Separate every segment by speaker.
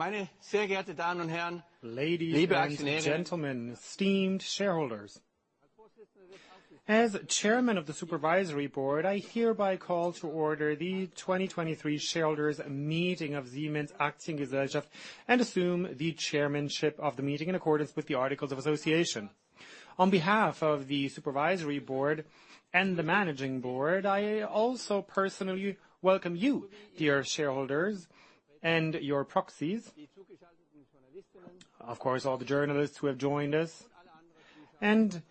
Speaker 1: Meine sehr geehrte Damen und Herre[U], ladies and gentlemen, esteemed shareholders. As Chairman of the Supervisory Board, I hereby call to order the 2023 Shareholders Meeting of Siemens Aktiengesellschaft, and assume the chairmanship of the meeting in accordance with the articles of association. On behalf of the Supervisory Board and the Managing Board, I also personally welcome you, dear shareholders, and your proxies. Of course, all the journalists who have joined us, and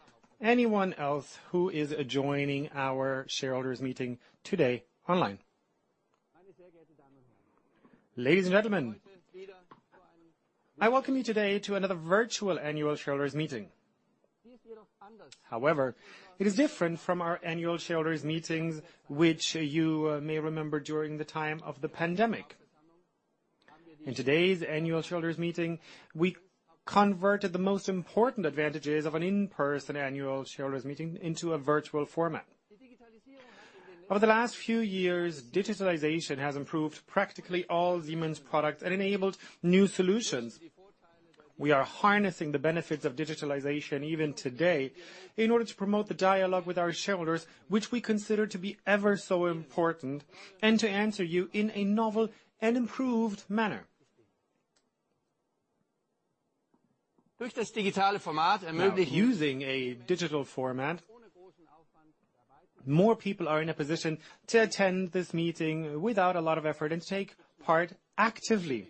Speaker 1: anyone else who is joining our Shareholders Meeting today online. Ladies and gentlemen, I welcome you today to another virtual Annual Shareholders Meeting. It is different from our Annual Shareholders Meetings, which you may remember during the time of the pandemic. In today's Annual Shareholders Meeting, we converted the most important advantages of an in-person Annual Shareholders Meeting into a virtual format. Over the last few years, digitalization has improved practically all Siemens products and enabled new solutions. We are harnessing the benefits of digitalization even today in order to promote the dialogue with our shareholders, which we consider to be ever so important, and to answer you in a novel and improved manner. Now, using a digital format, more people are in a position to attend this meeting without a lot of effort and take part actively.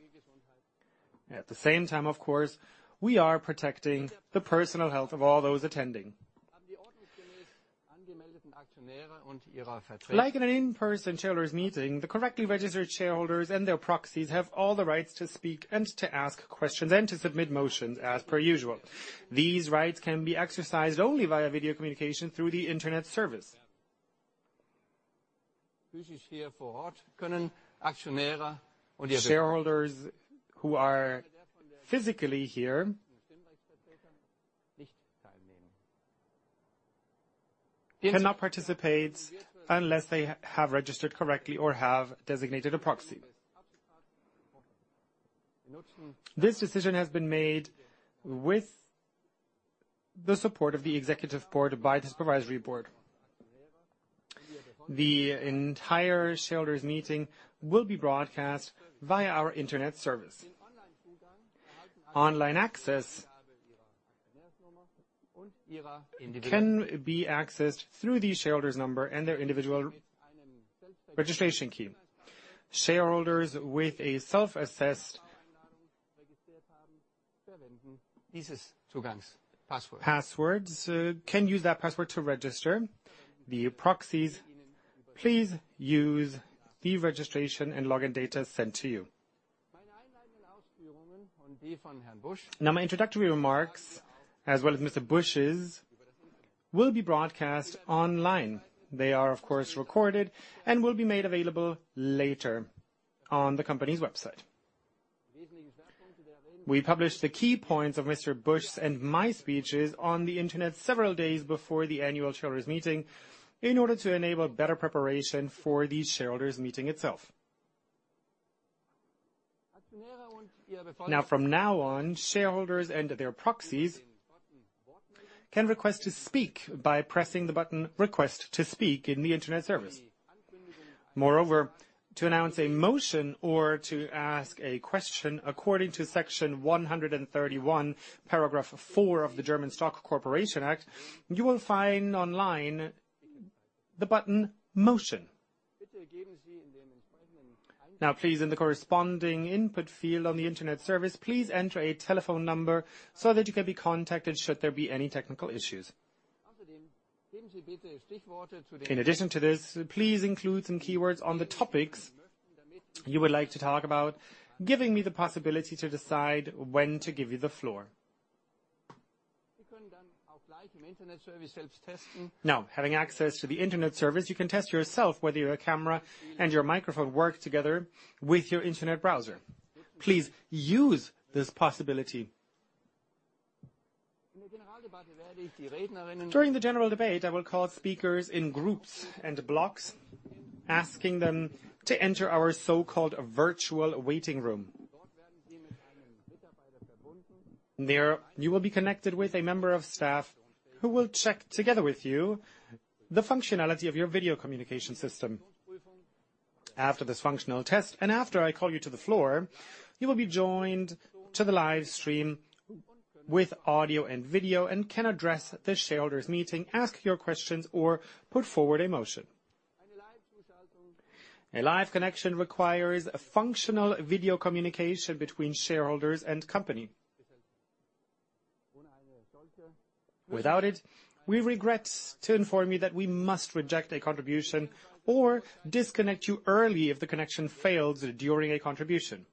Speaker 1: At the same time, of course, we are protecting the personal health of all those attending. Like in an in-person shareholders meeting, the correctly registered shareholders and their proxies have all the rights to speak and to ask questions and to submit motions as per usual. These rights can be exercised only via video communication through the internet service. Shareholders who are physically here cannot participate unless they have registered correctly or have designated a proxy. This decision has been made with the support of the Executive Board by the Supervisory Board. The entire Shareholders Meeting will be broadcast via our internet service. Online access can be accessed through the shareholder's number and their individual registration key. Shareholders with a self-assessed passwords can use that password to register. The proxies, please use the registration and login data sent to you. My introductory remarks, as well as Mr. Busch's, will be broadcast online. They are, of course, recorded and will be made available later on the company's website. We published the key points of Mr. Busch's and my speeches on the internet several days before the Annual Shareholders Meeting in order to enable better preparation for the Shareholders Meeting itself. From now on, shareholders and their proxies can request to speak by pressing the button "Request to speak" in the internet service. Moreover, to announce a motion or to ask a question, according to Section 131, Paragraph four of the German Stock Corporation Act, you will find online the button "Motion." Please, in the corresponding input field on the internet service, please enter a telephone number so that you can be contacted should there be any technical issues. In addition to this, please include some keywords on the topics you would like to talk about, giving me the possibility to decide when to give you the floor. Having access to the internet service, you can test yourself whether your camera and your microphone work together with your internet browser. Please use this possibility. During the general debate, I will call speakers in groups and blocks, asking them to enter our so-called virtual waiting room. There you will be connected with a member of staff who will check together with you the functionality of your video communication system. After this functional test, and after I call you to the floor, you will be joined to the live stream with audio and video and can address the shareholders meeting, ask your questions, or put forward a motion. A live connection requires functional video communication between shareholders and company. Without it, we regret to inform that we must reject a contribution or disconnect you early if the connection fails during a contribution.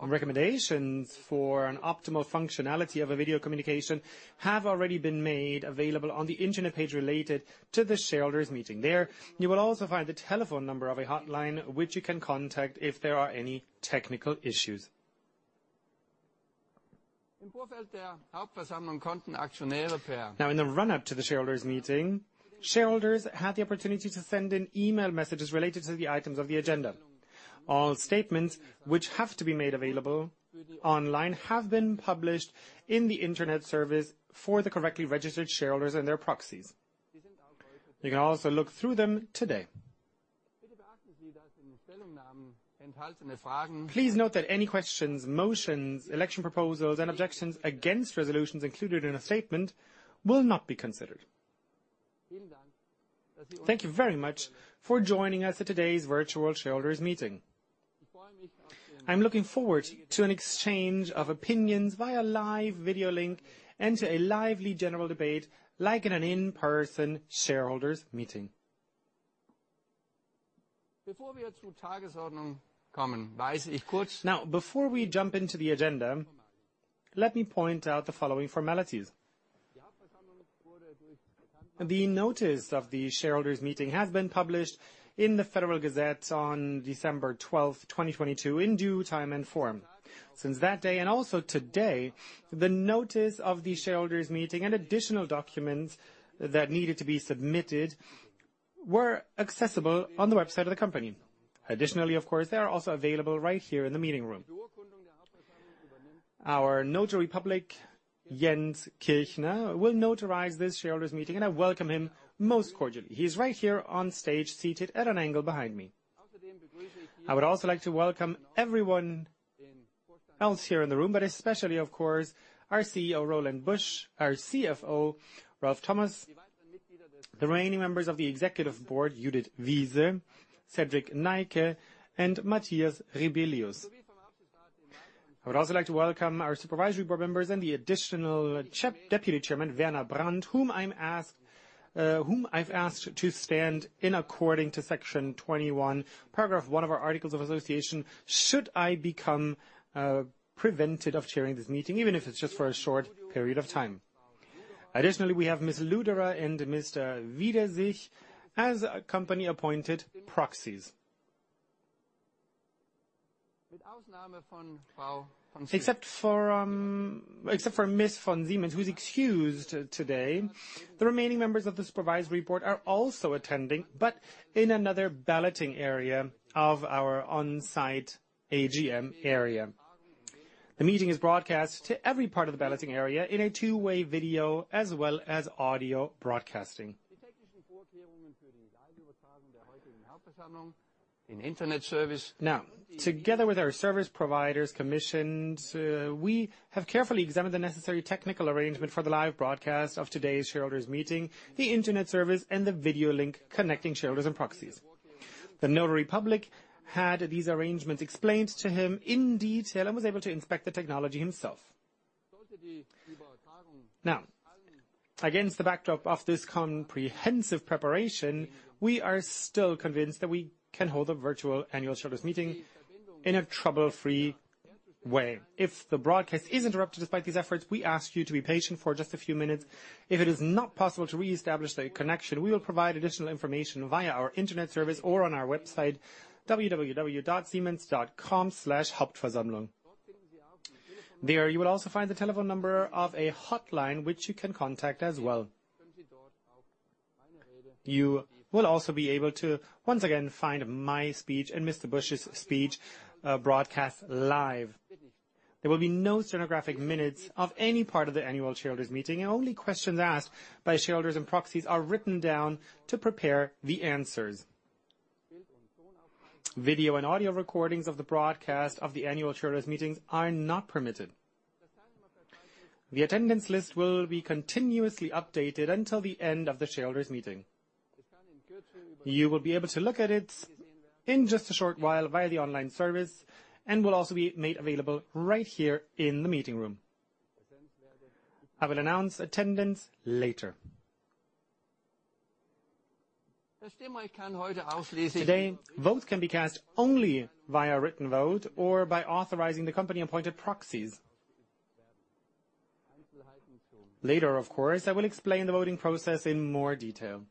Speaker 1: On recommendations for an optimal functionality of a video communication have already been made available on the internet page related to the shareholders meeting. There you will also find the telephone number of a hotline, which you can contact if there are any technical issues. In the run-up to the Shareholders Meeting, shareholders had the opportunity to send in email messages related to the items of the agenda. All statements which have to be made available online have been published in the internet service for the correctly registered shareholders and their proxies. You can also look through them today. Please note that any questions, motions, election proposals, and objections against resolutions included in a statement will not be considered. Thank you very much for joining us at today's virtual Shareholders Meeting. I'm looking forward to an exchange of opinions via live video link and to a lively general debate, like in an in-person Shareholders Meeting. Before we jump into the agenda, let me point out the following formalities. The notice of the shareholders meeting has been published in the Federal Gazette on December 12, 2022, in due time and form. Since that day, and also today, the notice of the shareholders meeting and additional documents that needed to be submitted were accessible on the website of the company. Additionally, of course, they are also available right here in the meeting room. Our notary public, Jens Kirchner, will notarize this shareholders meeting, and I welcome him most cordially. He's right here on stage, seated at an angle behind me. I would also like to welcome everyone else here in the room, but especially, of course, our CEO, Roland Busch, our CFO, Ralf Thomas, the remaining members of the executive board, Judith Wiese, Cedrik Neike, and Matthias Rebellius. I would also like to welcome our Supervisory Board members and the additional Deputy Chairman, Werner Brandt, whom I'm asked, whom I've asked to stand in according to Section 21, paragraph one of our articles of association, should I become prevented of chairing this meeting, even if it's just for a short period of time. Additionally, we have Ms. Luderer and Mr. Wiedersich as company-appointed proxies. Except for Ms. von Siemens, who is excused today, the remaining members of the Supervisory Board are also attending, but in another balloting area of our on-site AGM area. The meeting is broadcast to every part of the balloting area in a two-way video as well as audio broadcasting. Together with our service providers commissioned, we have carefully examined the necessary technical arrangement for the live broadcast of today's shareholders meeting, the internet service, and the video link connecting shareholders and proxies. The notary public had these arrangements explained to him in detail and was able to inspect the technology himself. Against the backdrop of this comprehensive preparation, we are still convinced that we can hold a virtual annual shareholders meeting in a trouble-free way. If the broadcast is interrupted despite these efforts, we ask you to be patient for just a few minutes. If it is not possible to reestablish the connection, we will provide additional information via our internet service or on our website, www.siemens.com/hauptversammlung. There, you will also find the telephone number of a hotline which you can contact as well. You will also be able to, once again, find my speech and Mr. Busch's speech broadcast live. There will be no stenographic minutes of any part of the annual shareholders meeting, only questions asked by shareholders and proxies are written down to prepare the answers. Video and audio recordings of the broadcast of the annual shareholders meetings are not permitted. The attendance list will be continuously updated until the end of the shareholders meeting. You will be able to look at it in just a short while via the online service and will also be made available right here in the meeting room. I will announce attendance later. Today, votes can be cast only via written vote or by authorizing the company-appointed proxies. Later, of course, I will explain the voting process in more detail.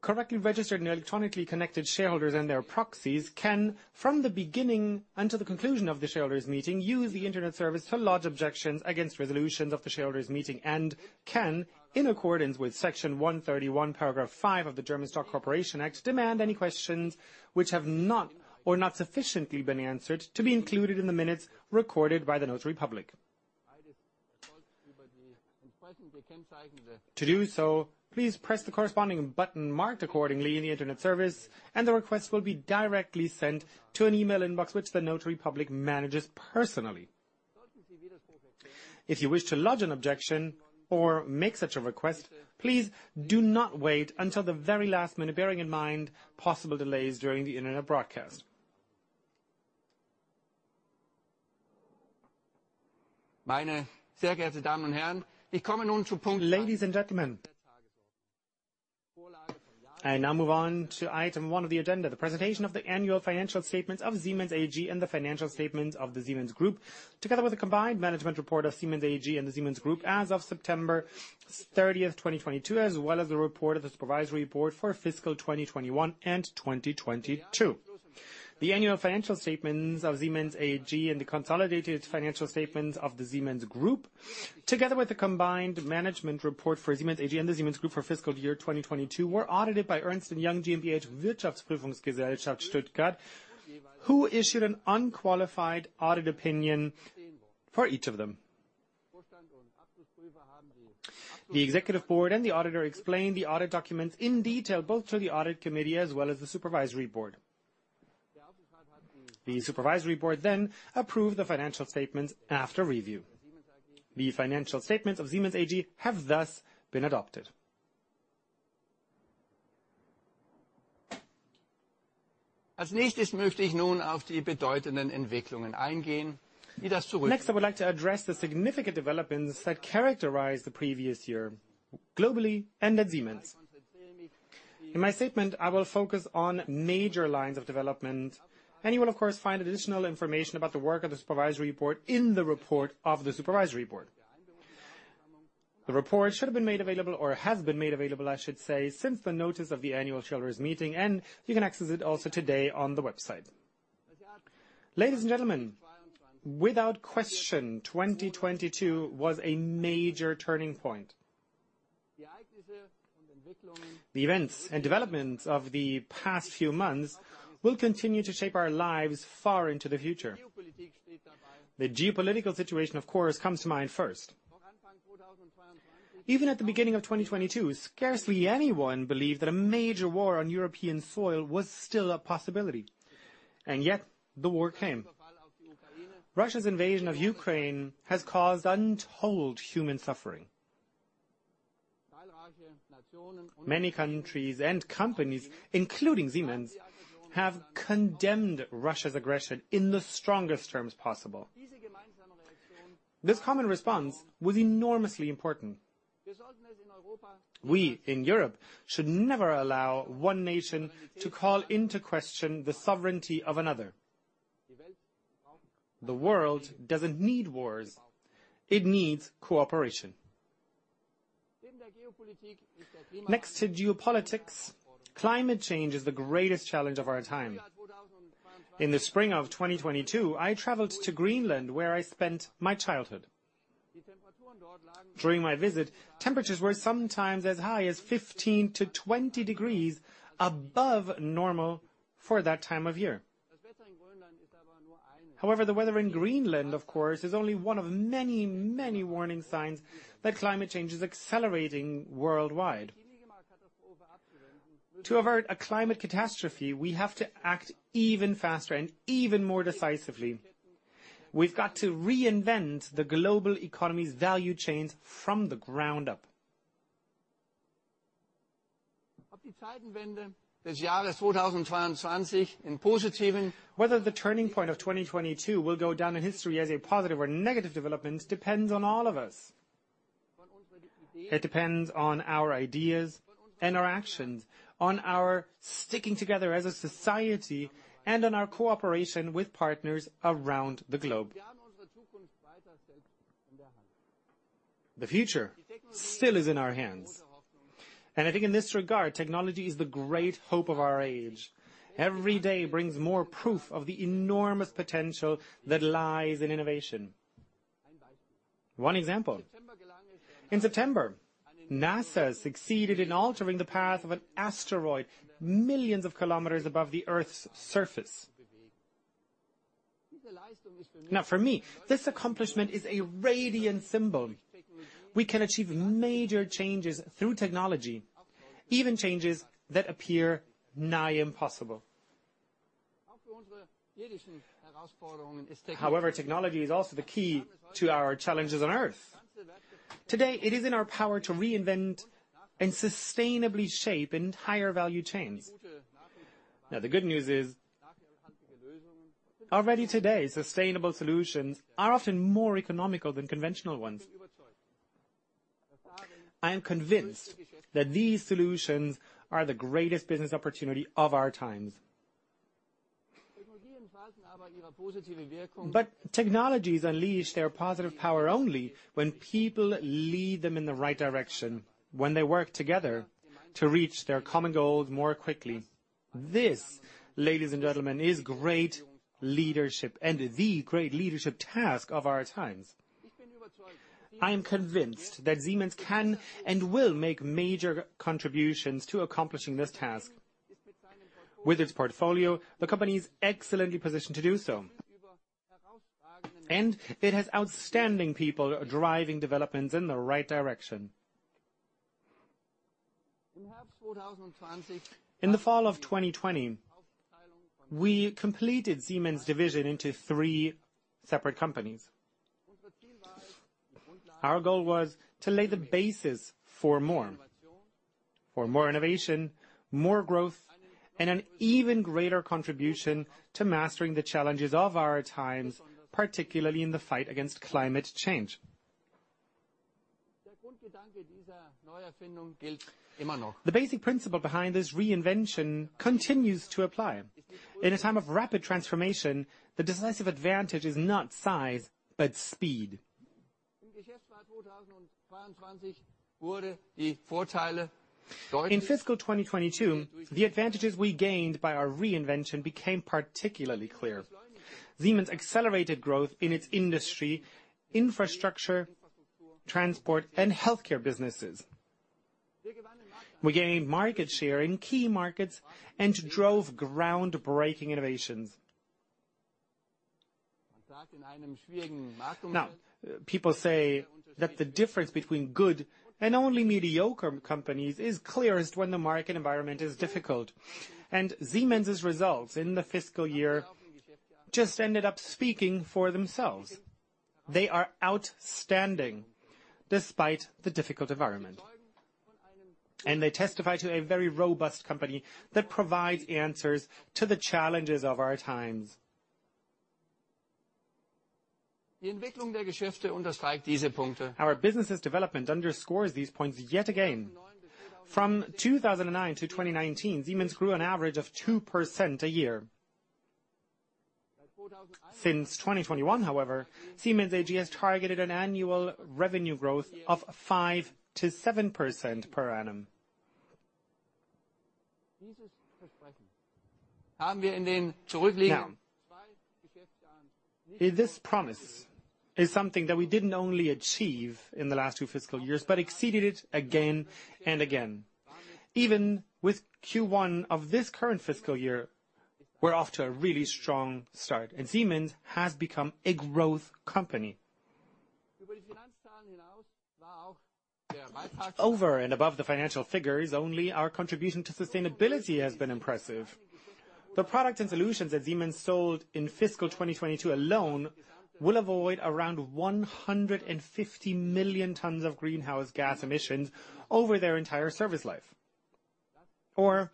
Speaker 1: Correctly registered and electronically connected shareholders and their proxies can, from the beginning until the conclusion of the shareholders meeting, use the internet service to lodge objections against resolutions of the shareholders meeting and can, in accordance with Section 131, paragraph 5 of the German Stock Corporation Act, demand any questions which have not or not sufficiently been answered to be included in the minutes recorded by the notary public. To do so, please press the corresponding button marked accordingly in the internet service, and the request will be directly sent to an email inbox which the notary public manages personally. If you wish to lodge an objection or make such a request, please do not wait until the very last minute, bearing in mind possible delays during the internet broadcast. Ladies and gentlemen, I now move on to item one of the agenda, the presentation of the annual financial statements of Siemens AG and the financial statements of the Siemens Group, together with the combined management report of Siemens AG and the Siemens Group as of September 30th, 2022, as well as the report of the Supervisory Board for fiscal 2021 and 2022. The annual financial statements of Siemens AG and the consolidated financial statements of the Siemens Group, together with the combined management report for Siemens AG and the Siemens Group for fiscal year 2022, were audited by Ernst & Young GmbH, who issued an unqualified audit opinion for each of them. The Executive Board and the auditor explained the audit documents in detail, both to the Audit Committee as well as the Supervisory Board. The Supervisory Board then approved the financial statements after review. The financial statements of Siemens AG have thus been adopted. I would like to address the significant developments that characterized the previous year, globally and at Siemens. In my statement, I will focus on major lines of development, you will, of course, find additional information about the work of the Supervisory Board in the report of the Supervisory Board. The report should have been made available, or has been made available, I should say, since the notice of the annual shareholders meeting, you can access it also today on the website. Ladies and gentlemen, without question, 2022 was a major turning point. The events and developments of the past few months will continue to shape our lives far into the future. The geopolitical situation, of course, comes to mind first. Even at the beginning of 2022, scarcely anyone believed that a major war on European soil was still a possibility, and yet the war came. Russia's invasion of Ukraine has caused untold human suffering. Many countries and companies, including Siemens, have condemned Russia's aggression in the strongest terms possible. This common response was enormously important. We in Europe should never allow one nation to call into question the sovereignty of another. The world doesn't need wars, it needs cooperation. Next to geopolitics, climate change is the greatest challenge of our time. In the spring of 2022, I traveled to Greenland, where I spent my childhood. During my visit, temperatures were sometimes as high as 15 to 20 degrees above normal for that time of year. However, the weather in Greenland, of course, is only one of many, many warning signs that climate change is accelerating worldwide. To avert a climate catastrophe, we have to act even faster and even more decisively. We've got to reinvent the global economy's value chains from the ground up. Whether the turning point of 2022 will go down in history as a positive or negative development depends on all of us. It depends on our ideas and our actions, on our sticking together as a society, and on our cooperation with partners around the globe. The future still is in our hands, and I think in this regard, technology is the great hope of our age. Every day brings more proof of the enormous potential that lies in innovation. One example, in September, NASA succeeded in altering the path of an asteroid millions of kilometers above the Earth's surface. Now, for me, this accomplishment is a radiant symbol. We can achieve major changes through technology, even changes that appear nigh impossible. Technology is also the key to our challenges on Earth. Today, it is in our power to reinvent and sustainably shape entire value chains. The good news is, already today, sustainable solutions are often more economical than conventional ones. I am convinced that these solutions are the greatest business opportunity of our times. Technologies unleash their positive power only when people lead them in the right direction, when they work together to reach their common goals more quickly. This, ladies and gentlemen, is great leadership and the great leadership task of our times. I am convinced that Siemens can and will make major contributions to accomplishing this task. With its portfolio, the company is excellently positioned to do so, and it has outstanding people driving developments in the right direction. In the fall of 2020, we completed Siemens' division into three separate companies. Our goal was to lay the basis for more innovation, more growth, and an even greater contribution to mastering the challenges of our times, particularly in the fight against climate change. The basic principle behind this reinvention continues to apply. In a time of rapid transformation, the decisive advantage is not size, but speed. In fiscal 2022, the advantages we gained by our reinvention became particularly clear. Siemens accelerated growth in its industry, infrastructure, transport, and healthcare businesses. We gained market share in key markets and drove groundbreaking innovations. People say that the difference between good and only mediocre companies is clearest when the market environment is difficult, and Siemens's results in the fiscal year just ended up speaking for themselves. They are outstanding despite the difficult environment, and they testify to a very robust company that provides answers to the challenges of our times. Our business's development underscores these points yet again. From 2009 to 2019, Siemens grew an average of 2% a year. Since 2021 however, Siemens AG has targeted an annual revenue growth of 5%-7% per annum. This promise is something that we didn't only achieve in the last two fiscal years, but exceeded it again and again. Even with Q1 of this current fiscal year, we're off to a really strong start, and Siemens has become a growth company. Over and above the financial figures, only our contribution to sustainability has been impressive. The products and solutions that Siemens sold in fiscal 2022 alone will avoid around 150 million tons of greenhouse gas emissions over their entire service life, or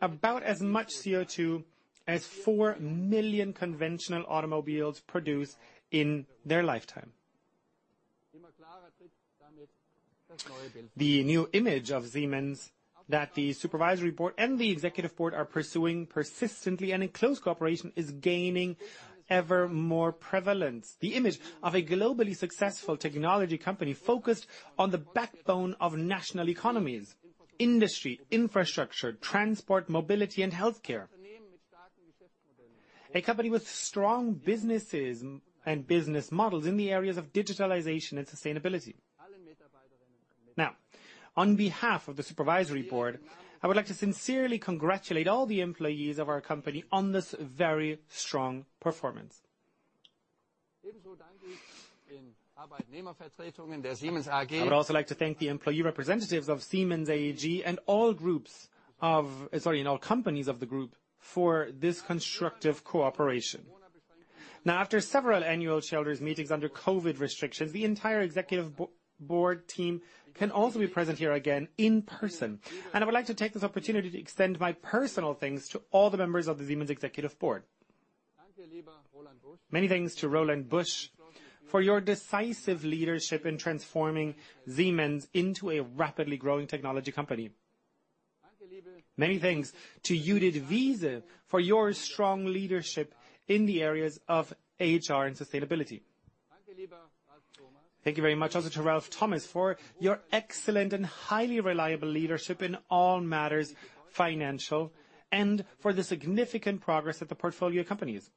Speaker 1: about as much CO₂ as 4 million conventional automobiles produce in their lifetime. The new image of Siemens that the supervisory board and the executive board are pursuing persistently and in close cooperation is gaining ever more prevalence. The image of a globally successful technology company focused on the backbone of national economies, industry, infrastructure, transport, mobility, and healthcare. A company with strong businesses and business models in the areas of digitalization and sustainability. On behalf of the supervisory board, I would like to sincerely congratulate all the employees of our company on this very strong performance. I would also like to thank the employee representatives of Siemens AG and all groups, sorry, in all companies of the group for this constructive cooperation. Now, after several annual shareholders' meetings under COVID restrictions, the entire executive board team can also be present here again in person, and I would like to take this opportunity to extend my personal thanks to all the members of the Siemens executive board. Many thanks to Roland Busch for your decisive leadership in transforming Siemens into a rapidly growing technology company. Many thanks to Judith Wiese for your strong leadership in the areas of HR and sustainability. Thank you very much also to Ralf Thomas for your excellent and highly reliable leadership in all matters financial, and for the significant progress of the portfolio companies.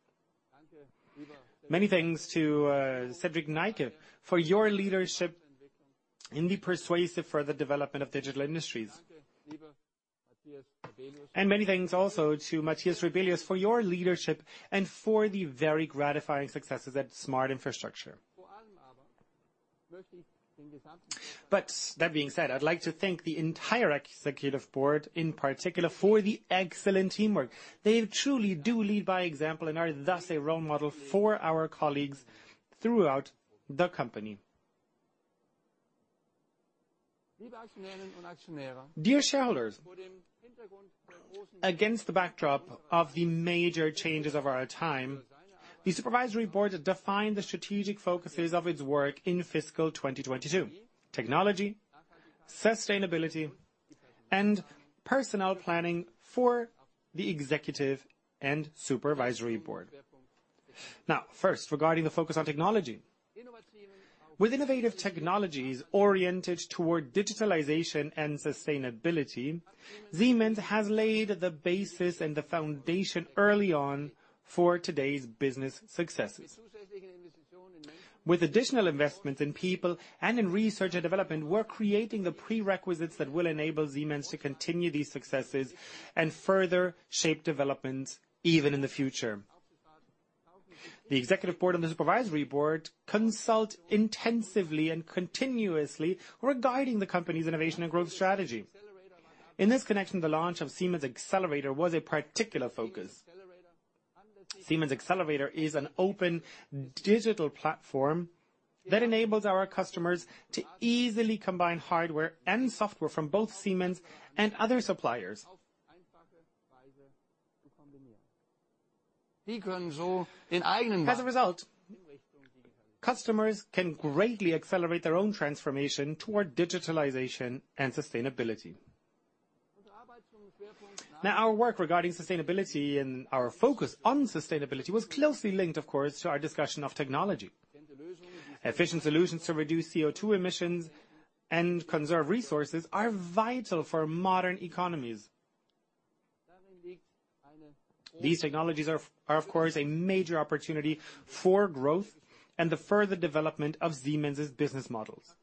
Speaker 1: Many thanks to Cedrik Neike for your leadership in the persuasive further development of Digital Industries. Many thanks also to Matthias Rebellius for your leadership and for the very gratifying successes at Smart Infrastructure. That being said, I'd like to thank the entire executive board, in particular, for the excellent teamwork. They truly do lead by example and are thus a role model for our colleagues throughout the company. Dear shareholders, against the backdrop of the major changes of our time, the supervisory board defined the strategic focuses of its work in fiscal 2022: technology, sustainability, and personnel planning for the executive and supervisory board. First, regarding the focus on technology. With innovative technologies oriented toward digitalization and sustainability, Siemens has laid the basis and the foundation early on for today's business successes. With additional investments in people and in research and development, we're creating the prerequisites that will enable Siemens to continue these successes and further shape developments even in the future. The executive board and the supervisory board consult intensively and continuously regarding the company's innovation and growth strategy. In this connection, the launch of Siemens Xcelerator was a particular focus. Siemens Xcelerator is an open digital platform that enables our customers to easily combine hardware and software from both Siemens and other suppliers. Customers can greatly accelerate their own transformation toward digitalization and sustainability. Our work regarding sustainability and our focus on sustainability was closely linked, of course, to our discussion of technology. Efficient solutions to reduce CO₂ emissions and conserve resources are vital for modern economies. These technologies are of course, a major opportunity for growth and the further development of Siemens' business models.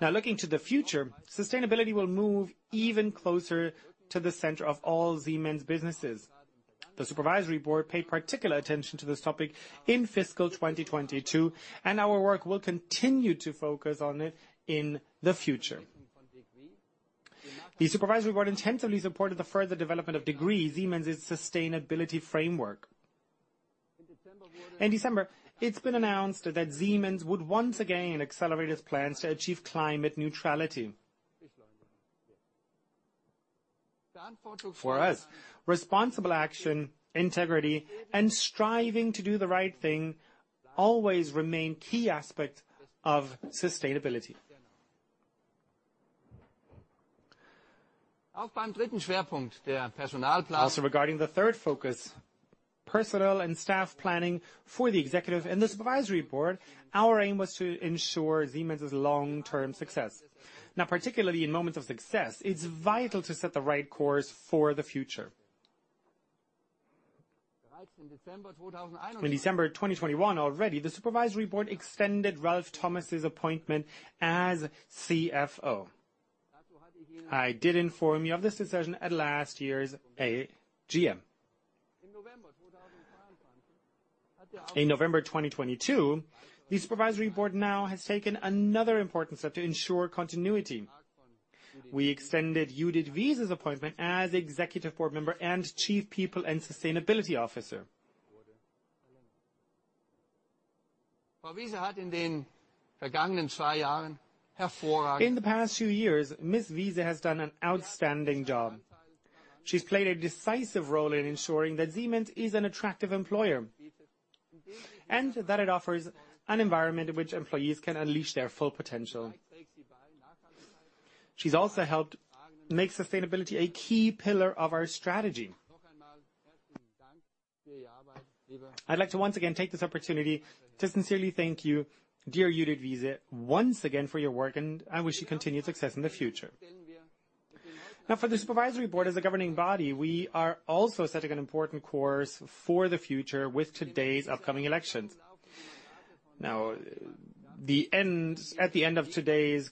Speaker 1: Now looking to the future, sustainability will move even closer to the center of all Siemens businesses. The supervisory board paid particular attention to this topic in fiscal 2022. Our work will continue to focus on it in the future. The supervisory board intensively supported the further development of DEGREE, Siemens' sustainability framework. In December, it's been announced that Siemens would once again accelerate its plans to achieve climate neutrality. For us, responsible action, integrity, and striving to do the right thing always remain key aspects of sustainability. Also regarding the third focus, personnel and staff planning for the executive and the supervisory board, our aim was to ensure Siemens' long-term success. Now, particularly in moments of success, it's vital to set the right course for the future. In December of 2021 already, the supervisory board extended Ralf Thomas' appointment as CFO. I did inform you of this decision at last year's AGM. In November 2022, the Supervisory Board now has taken another important step to ensure continuity. We extended Judith Wiese's appointment as Executive Board Member and Chief People and Sustainability Officer. In the past few years, Ms. Wiese has done an outstanding job. She's played a decisive role in ensuring that Siemens is an attractive employer, and that it offers an environment in which employees can unleash their full potential. She's also helped make sustainability a key pillar of our strategy. I'd like to once again take this opportunity to sincerely thank you, dear Judith Wiese, once again for your work, and I wish you continued success in the future. Now, for the Supervisory Board as a governing body, we are also setting an important course for the future with today's upcoming elections. At the end of today's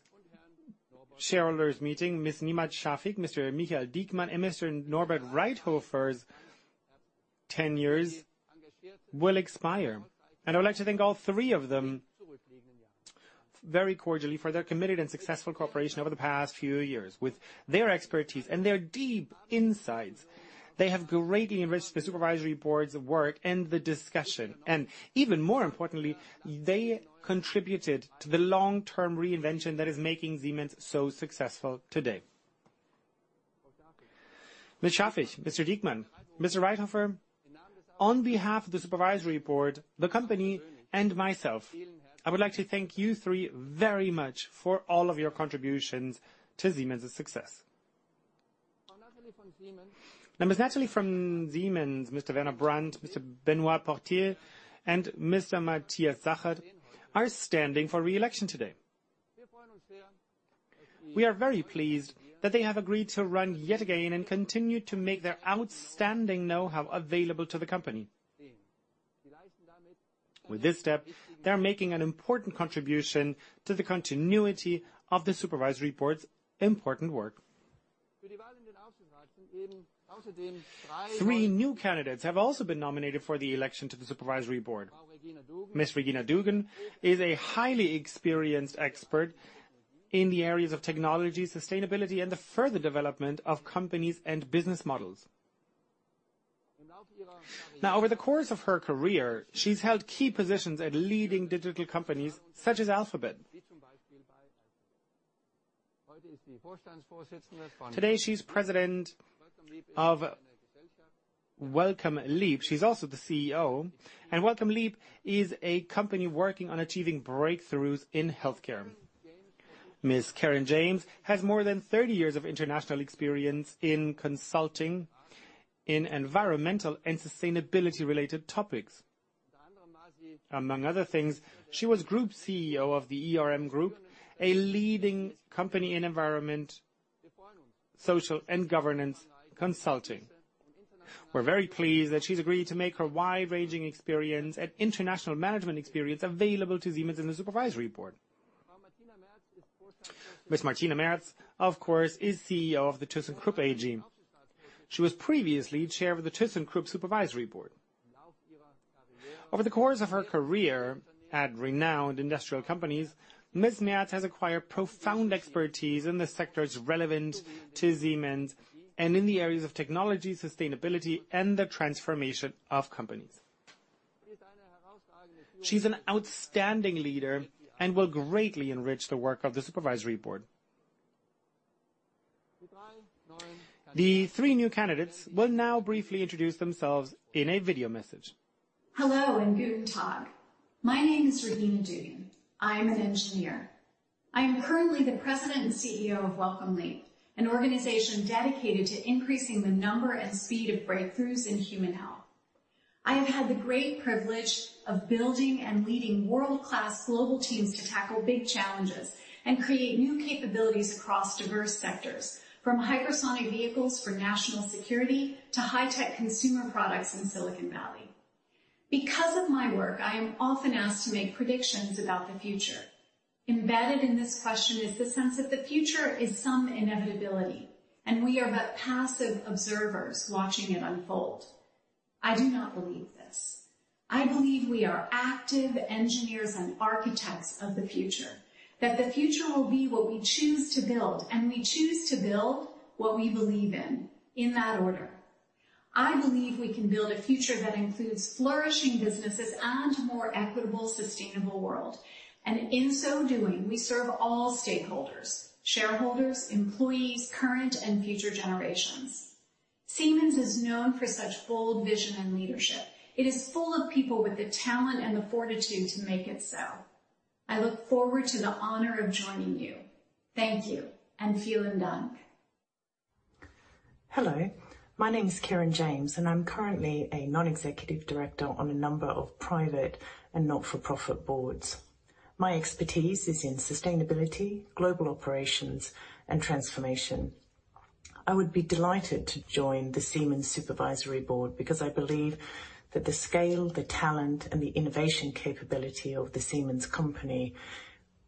Speaker 1: shareholders' meeting, Ms. Nemat Shafik, Mr. Michael Diekmann, and Mr. Norbert Reithofer's tenures will expire. I would like to thank all three of them very cordially for their committed and successful cooperation over the past few years. With their expertise and their deep insights, they have greatly enriched the Supervisory Board's work and the discussion. Even more importantly, they contributed to the long-term reinvention that is making Siemens so successful today. Ms. Shafik, Mr. Diekmann, Mr. Reithofer, on behalf of the Supervisory Board, the company, and myself, I would like to thank you three very much for all of your contributions to Siemens' success. Ms. Natalie von Siemens, Mr. Werner Brandt, Mr. Benoît Potier, and Mr. Matthias Zachert are standing for re-election today. We are very pleased that they have agreed to run yet again and continue to make their outstanding know-how available to the company. With this step, they're making an important contribution to the continuity of the supervisory board's important work. Three new candidates have also been nominated for the election to the supervisory board. Ms. Regina Dugan is a highly experienced expert in the areas of technology, sustainability, and the further development of companies and business models. Over the course of her career, she's held key positions at leading digital companies such as Alphabet. Today, she's president of Wellcome Leap. She's also the CEO. Wellcome Leap is a company working on achieving breakthroughs in healthcare. Ms. Keryn James has more than 30 years of international experience in consulting, in environmental and sustainability-related topics. Among other things, she was Group CEO of the ERM Group, a leading company in environment, social, and governance consulting. We're very pleased that she's agreed to make her wide-ranging experience and international management experience available to Siemens and the supervisory board. Ms. Martina Merz, of course, is CEO of the thyssenkrupp AG. She was previously chair of the thyssenkrupp Supervisory Board. Over the course of her career at renowned industrial companies, Ms. Merz has acquired profound expertise in the sectors relevant to Siemens and in the areas of technology, sustainability, and the transformation of companies. She's an outstanding leader and will greatly enrich the work of the supervisory board. The three new candidates will now briefly introduce themselves in a video message.
Speaker 2: Hello and Guten Tag. My name is Regina Dugan. I'm an engineer. I am currently the President and CEO of Wellcome Leap, an organization dedicated to increasing the number and speed of breakthroughs in human health. I have had the great privilege of building and leading world-class global teams to tackle big challenges and create new capabilities across diverse sectors, from hypersonic vehicles for national security to high-tech consumer products in Silicon Valley. Because of my work, I am often asked to make predictions about the future. Embedded in this question is the sense that the future is some inevitability, and we are but passive observers watching it unfold. I do not believe this. I believe we are active engineers and architects of the future, that the future will be what we choose to build, and we choose to build what we believe in that order. I believe we can build a future that includes flourishing businesses and more equitable, sustainable world. In so doing, we serve all stakeholders, shareholders, employees, current and future generations. Siemens is known for such bold vision and leadership. It is full of people with the talent and the fortitude to make it so. I look forward to the honor of joining you. Thank you, and "vielen Dank".
Speaker 3: Hello. My name is Keryn James, and I'm currently a non-executive director on a number of private and not-for-profit boards. My expertise is in sustainability, global operations, and transformation. I would be delighted to join the Siemens Supervisory Board because I believe that the scale, the talent, and the innovation capability of the Siemens company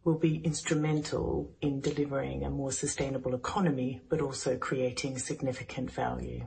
Speaker 3: will be instrumental in delivering a more sustainable economy, but also creating significant value.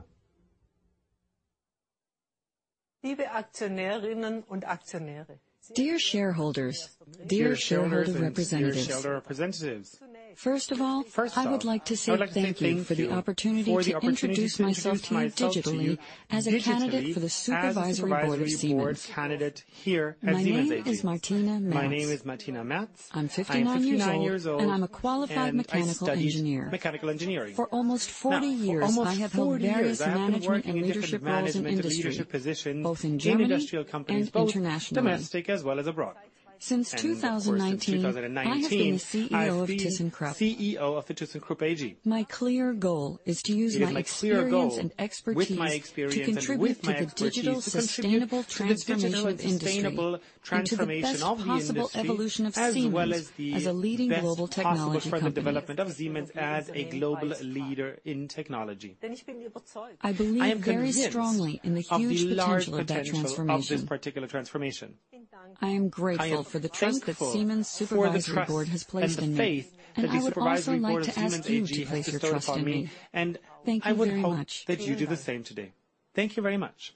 Speaker 4: Dear shareholders, dear shareholder representatives.
Speaker 1: Dear shareholders, dear shareholder representatives.
Speaker 4: First of all.
Speaker 1: First of all.
Speaker 4: I would like to say thank you for the opportunity to introduce myself to you digitally as a candidate for the Supervisory Board of Siemens.
Speaker 1: For the opportunity to introduce myself to you digitally as a candidate for the Supervisory Board here at Siemens AG.
Speaker 4: My name is Martina Merz.
Speaker 1: My name is Martina Merz.[Garbled]
Speaker 4: I'm 59 years old.[Garbled]
Speaker 1: I'm 59 years old.[Garbled]
Speaker 4: I'm a qualified mechanical engineer.[Garbled]
Speaker 1: I studied mechanical engineering.[Garbled]
Speaker 4: For almost 40 years.[Garbled]
Speaker 1: for almost 40 years-[Garbled]
Speaker 4: I have held various management and leadership roles in industry.[Garbled]
Speaker 1: I have been working in different management and leadership positions.[Garbled]
Speaker 4: Both in Germany and internationally.[Garbled][Garbled]
Speaker 1: In industrial companies, both domestic as well as abroad.[Garbled]
Speaker 4: Since 2019...[Garbled]
Speaker 1: Of course, since 2019.[Garbled]
Speaker 4: I have been the CEO of thyssenkrupp[Garbled]
Speaker 1: I have been CEO of the thyssenkrupp AG.[Garbled]
Speaker 4: My clear goal is to use my experience.[Garbled]
Speaker 1: It is my clear goal with my experience.[Garbled]
Speaker 4: expertise to contribute to the digital sustainable transformation of industry.[Garbled]
Speaker 1: With my expertise to contribute to the digital sustainable transformation of the industry.[Garbled]
Speaker 4: Into the best possible evolution of Siemens as a leading global technology company.[Garbled]
Speaker 1: As well as the best possible further development of Siemens as a global leader in technology.[Garbled]
Speaker 4: I believe very strongly[Garbled]
Speaker 1: I am convinced.[Garbled]
Speaker 4: In the huge potential of that transformation.[Garbled]
Speaker 1: Of the large potential of this particular transformation.[Garbled]
Speaker 4: I am grateful for the trust that Siemens Supervisory Board has placed in me.[Garbled]
Speaker 1: I am thankful for the trust as the faith that the Supervisory Board of Siemens AG has bestowed upon me.[Garbled]
Speaker 4: I would also like to ask you to place your trust in me.[Garbled]
Speaker 1: I would hope that you do the same today.[Garbled] Thank you very much.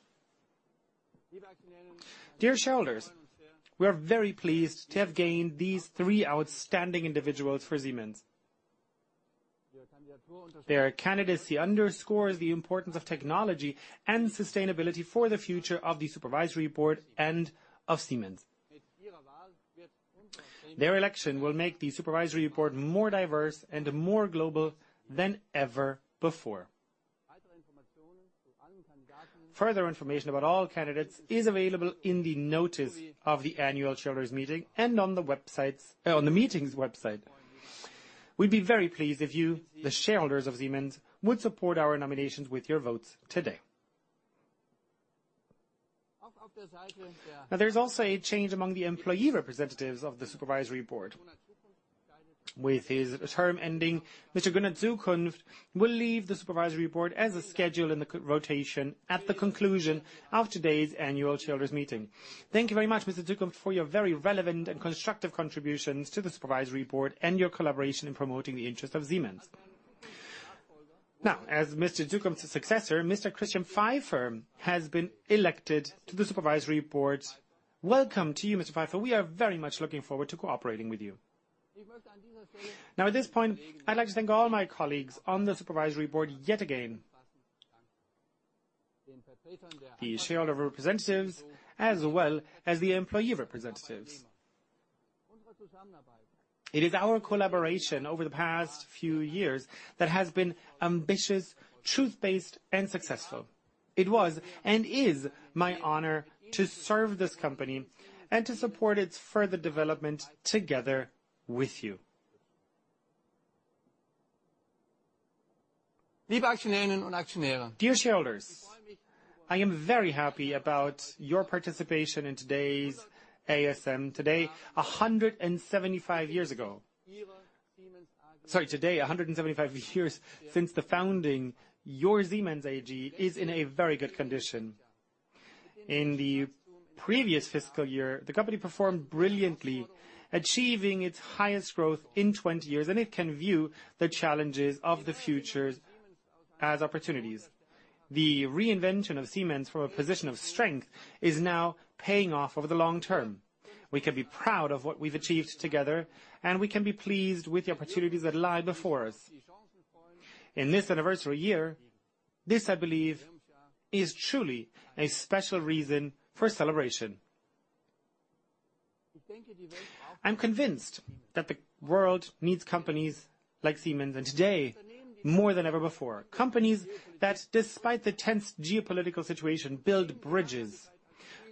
Speaker 1: Thank you very much. Dear shareholders, we are very pleased to have gained these three outstanding individuals for Siemens. Their candidacy underscores the importance of technology and sustainability for the future of the Supervisory Board and of Siemens. Their election will make the Supervisory Board more diverse and more global than ever before. Further information about all candidates is available in the notice of the annual shareholders meeting and on the websites, on the meetings website. We'd be very pleased if you, the shareholders of Siemens, would support our nominations with your votes today. There's also a change among the employee representatives of the Supervisory Board. With his term ending, Mr. Gunnar Zukunft will leave the Supervisory Board as a schedule in the c-rotation at the conclusion of today's annual shareholders meeting. Thank you very much, Mr. Zukunft, for your very relevant and constructive contributions to the Supervisory Board and your collaboration in promoting the interest of Siemens. As Mr. Zukunft's successor, Mr. Christian Pfeiffer has been elected to the Supervisory Board. Welcome to you, Mr. Pfeiffer. We are very much looking forward to cooperating with you. At this point, I'd like to thank all my colleagues on the Supervisory Board yet again, the shareholder representatives, as well as the employee representatives. It is our collaboration over the past few years that has been ambitious, truth-based, and successful. It was, and is, my honor to serve this company and to support its further development together with you. Dear shareholders, I am very happy about your participation in today's ASM. Today, 175 years since the founding, your Siemens AG is in a very good condition. In the previous fiscal year, the company performed brilliantly, achieving its highest growth in 20 years, and it can view the challenges of the futures as opportunities. The reinvention of Siemens from a position of strength is now paying off over the long term. We can be proud of what we've achieved together, and we can be pleased with the opportunities that lie before us. In this anniversary year, this, I believe, is truly a special reason for celebration. I'm convinced that the world needs companies like Siemens, and today, more than ever before. Companies that despite the tense geopolitical situation, build bridges.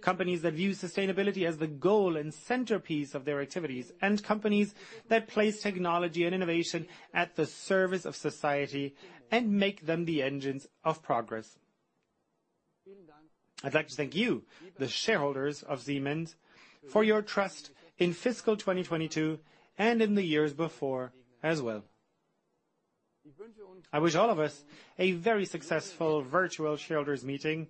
Speaker 1: Companies that view sustainability as the goal and centerpiece of their activities, and companies that place technology and innovation at the service of society and make them the engines of progress. I'd like to thank you, the shareholders of Siemens, for your trust in fiscal 2022, and in the years before as well. I wish all of us a very successful virtual shareholders meeting,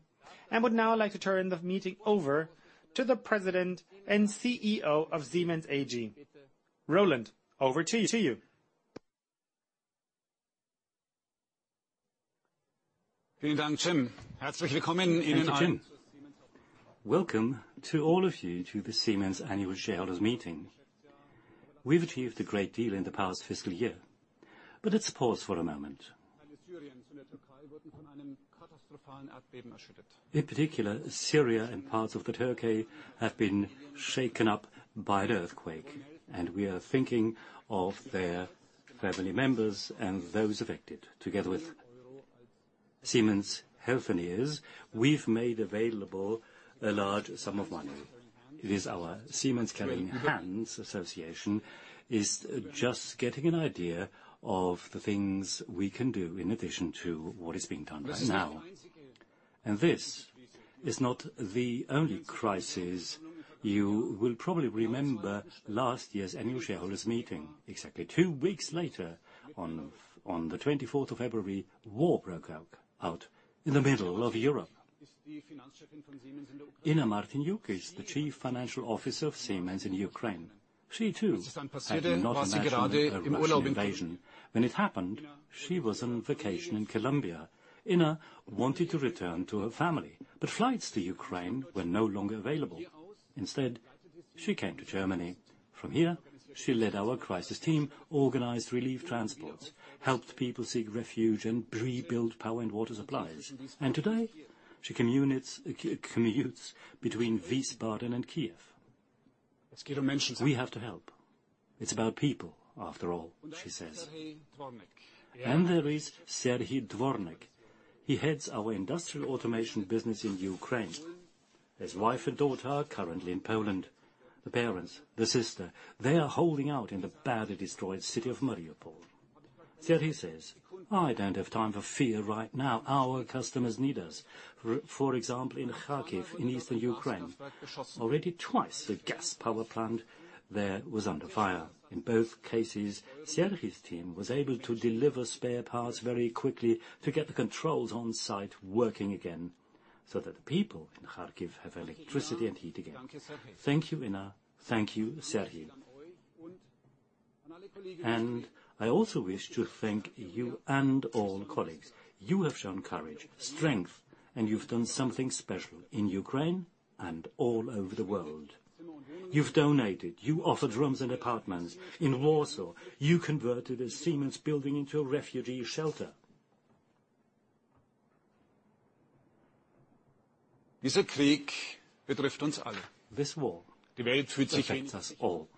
Speaker 1: and would now like to turn the meeting over to the President and CEO of Siemens AG. Roland, over to you.
Speaker 5: Thank you, Jim. Welcome to all of you to the Siemens Annual Shareholders Meeting. We've achieved a great deal in the past fiscal year, but let's pause for a moment. In particular, Syria and parts of the Turkey have been shaken up by an earthquake, and we are thinking of their family members and those affected. Together with Siemens Healthineers, we've made available a large sum of money. It is our Siemens Caring Hands association is just getting an idea of the things we can do in addition to what is being done right now. This is not the only crisis. You will probably remember last year's annual shareholders meeting. Exactly two weeks later, on the 24th of February, war broke out in the middle of Europe. Inna Martyniuk is the Chief Financial Officer of Siemens in Ukraine. She too had not imagined a Russian invasion. When it happened, she was on vacation in Colombia. Inna wanted to return to her family, but flights to Ukraine were no longer available. Instead, she came to Germany. From here, she led our crisis team, organized relief transports, helped people seek refuge, and rebuilt power and water supplies. Today, she commutes between Wiesbaden and Kyiv. "We have to help. It's about people after all," she says. There is Serhii Dvornik. He heads our Industrial Automation business in Ukraine. His wife and daughter are currently in Poland. The parents, the sister, they are holding out in the badly destroyed city of Mariupol. Serhii says, "I don't have time for fear right now. Our customers need us." For example, in Kharkiv in eastern Ukraine, already twice the gas power plant there was under fire. In both cases, Serhii's team was able to deliver spare parts very quickly to get the controls on site working again, so that the people in Kharkiv have electricity and heat again. Thank you, Inna. Thank you, Serhii. I also wish to thank you and all colleagues. You have shown courage, strength, and you've done something special in Ukraine and all over the world. You've donated, you offered rooms and apartments. In Warsaw, you converted a Siemens building into a refugee shelter. This war affects us all.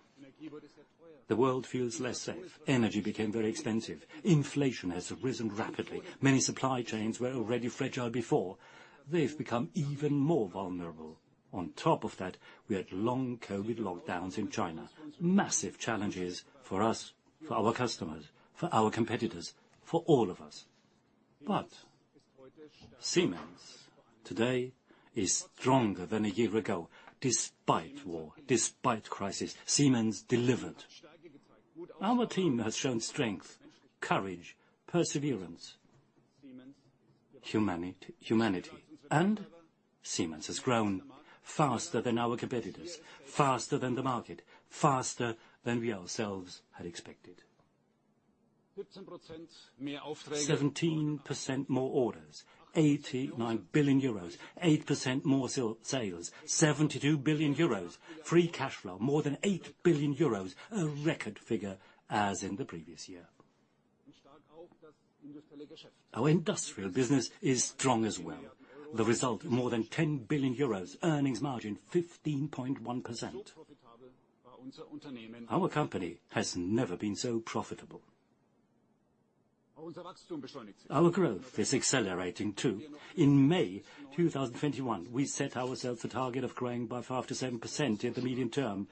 Speaker 5: The world feels less safe. Energy became very expensive. Inflation has risen rapidly. Many supply chains were already fragile before. They've become even more vulnerable. On top of that, we had long COVID lockdowns in China. Massive challenges for us, for our customers, for our competitors, for all of us. Siemens today is stronger than a year ago, despite war, despite crisis, Siemens delivered. Our team has shown strength, courage, perseverance, humanity, and Siemens has grown faster than our competitors, faster than the market, faster than we ourselves had expected. 17% more orders, 89 billion euros, 8% more sales, 72 billion euros, free cash flow, more than 8 billion euros, a record figure as in the previous year. Our industrial business is strong as well. The result, more than 10 billion euros, earnings margin 15.1%. Our company has never been so profitable. Our growth is accelerating too. In May 2021, we set ourselves a target of growing by 5%-7% in the medium term.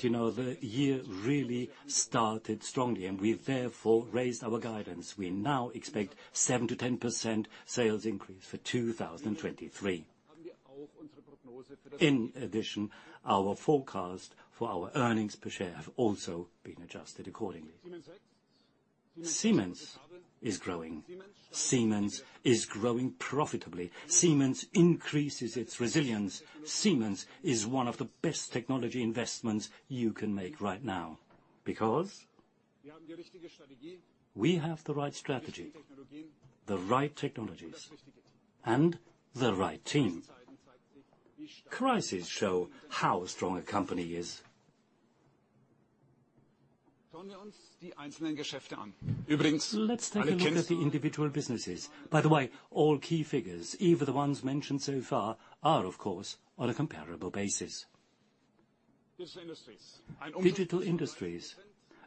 Speaker 5: You know, the year really started strongly, and we therefore raised our guidance. We now expect 7%-10% sales increase for 2023. Our forecast for our earnings per share have also been adjusted accordingly. Siemens is growing. Siemens is growing profitably. Siemens increases its resilience. Siemens is one of the best technology investments you can make right now because we have the right strategy, the right technologies, and the right team. Crises show how strong a company is. Let's take a look at the individual businesses. All key figures, even the ones mentioned so far, are, of course, on a comparable basis. Digital Industries,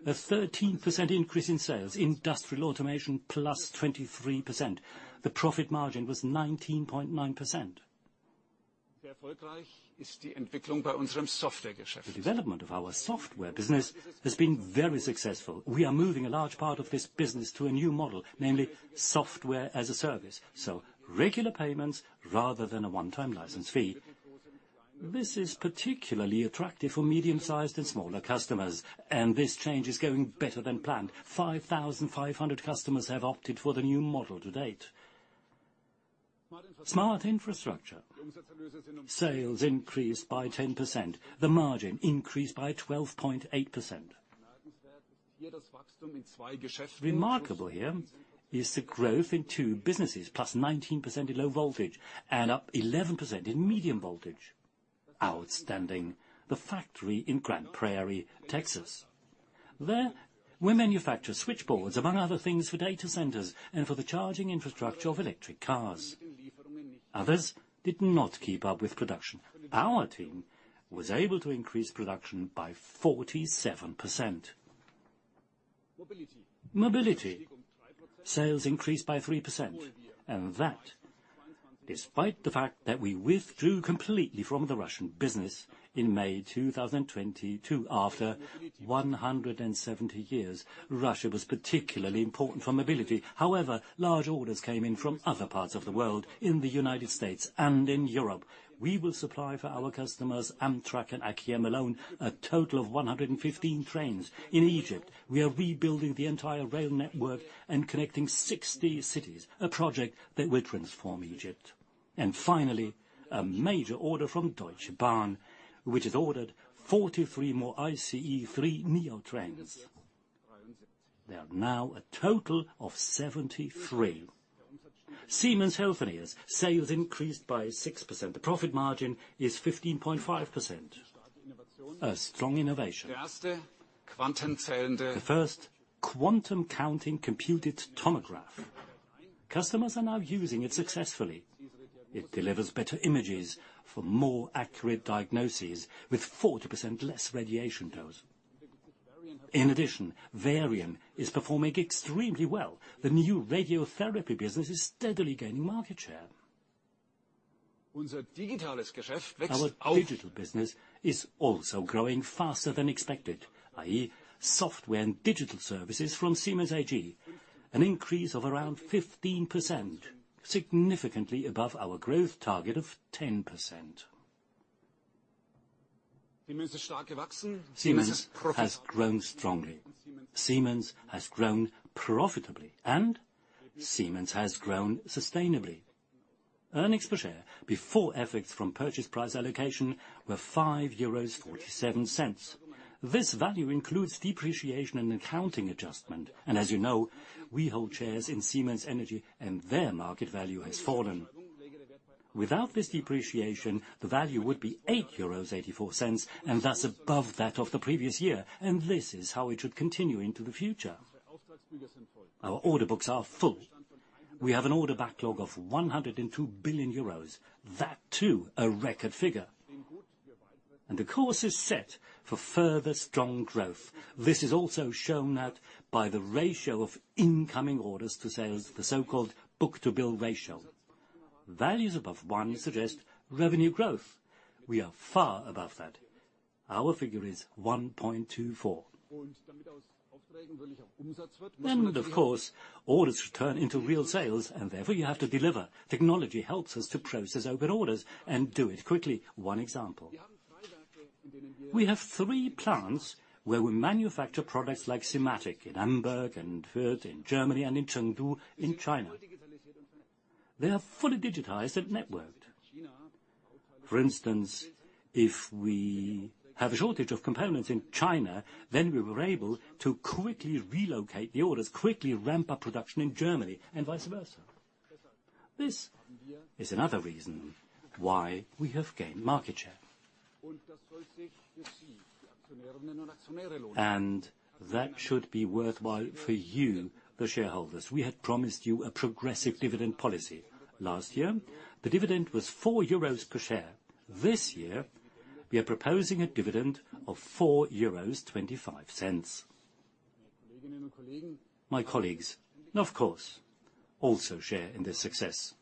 Speaker 5: a 13% increase in sales, Industrial Automation +23%. The profit margin was 19.9%. The development of our software business has been very successful. We are moving a large part of this business to a new model, namely software as a service, so regular payments rather than a one-time license fee. This is particularly attractive for medium-sized and smaller customers, and this change is going better than planned. 5,500 customers have opted for the new model to date. Smart Infrastructure, sales increased by 10%. The margin increased by 12.8%. Remarkable here is the growth in two businesses, +19% in low voltage and +11% in medium voltage. Outstanding. The factory in Grand Prairie, Texas. There we manufacture switchboards, among other things, for data centers and for the charging infrastructure of electric cars. Others did not keep up with production. Our team was able to increase production by 47%. Mobility, sales increased by 3%, despite the fact that we withdrew completely from the Russian business in May 2022 after 170 years. Russia was particularly important for Mobility. However, large orders came in from other parts of the world, in the United States and in Europe. We will supply for our customers, Amtrak and Akiem alone, a total of 115 trains. In Egypt, we are rebuilding the entire rail network and connecting 60 cities, a project that will transform Egypt. Finally, a major order from Deutsche Bahn, which has ordered 43 more ICE 3neo trains. They are now a total of 73. Siemens Healthineers, sales increased by 6%. The profit margin is 15.5%. A strong innovation. The first photon-counting computed tomograph. Customers are now using it successfully. It delivers better images for more accurate diagnoses with 40% less radiation dose. In addition, Varian is performing extremely well. The new radiotherapy business is steadily gaining market share. Our digital business is also growing faster than expected, i.e., software and digital services from Siemens AG, an increase of around 15%, significantly above our growth target of 10%. Siemens has grown strongly. Siemens has grown profitably, and Siemens has grown sustainably. Earnings per share before effects from purchase price allocation were 5.47 euros. This value includes depreciation and accounting adjustment. As you know, we hold shares in Siemens Energy, and their market value has fallen. Without this depreciation, the value would be 8.84 euros, and thus above that of the previous year, and this is how it should continue into the future. Our order books are full. We have an order backlog of 102 billion euros. That, too, a record figure. The course is set for further strong growth. This is also shown that by the ratio of incoming orders to sales, the so-called book-to-bill ratio. Values above 1 suggest revenue growth. We are far above that. Our figure is 1.24. Of course, orders turn into real sales, and therefore you have to deliver. Technology helps us to process open orders and do it quickly. One example. We have three plants where we manufacture products like SIMATIC in Amberg and Fürth in Germany and in Chengdu in China. They are fully digitized and networked. For instance, if we have a shortage of components in China, then we were able to quickly relocate the orders, quickly ramp up production in Germany, and vice versa. This is another reason why we have gained market share. That should be worthwhile for you, the shareholders. We had promised you a progressive dividend policy. Last year, the dividend was 4 euros per share. This year, we are proposing a dividend of 4.25 euros. My colleagues, of course, also share in this success.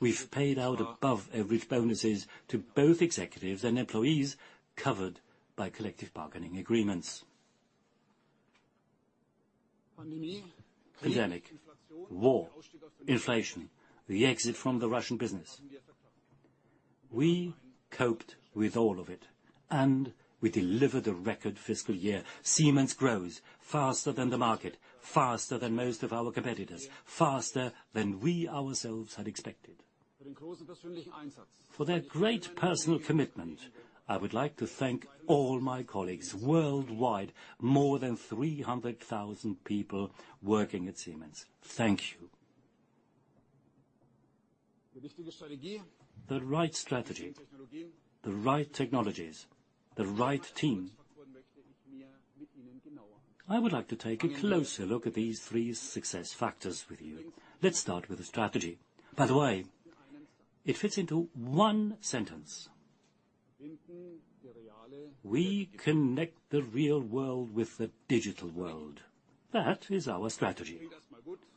Speaker 5: We've paid out above-average bonuses to both executives and employees covered by collective bargaining agreements. Pandemic, war, inflation, the exit from the Russian business, we coped with all of it, and we delivered a record fiscal year. Siemens grows faster than the market, faster than most of our competitors, faster than we ourselves had expected. For their great personal commitment, I would like to thank all my colleagues worldwide, more than 300,000 people working at Siemens. Thank you. The right strategy, the right technologies, the right team. I would like to take a closer look at these three success factors with you. Let's start with the strategy. By the way, it fits into one sentence. We connect the real world with the digital world. That is our strategy.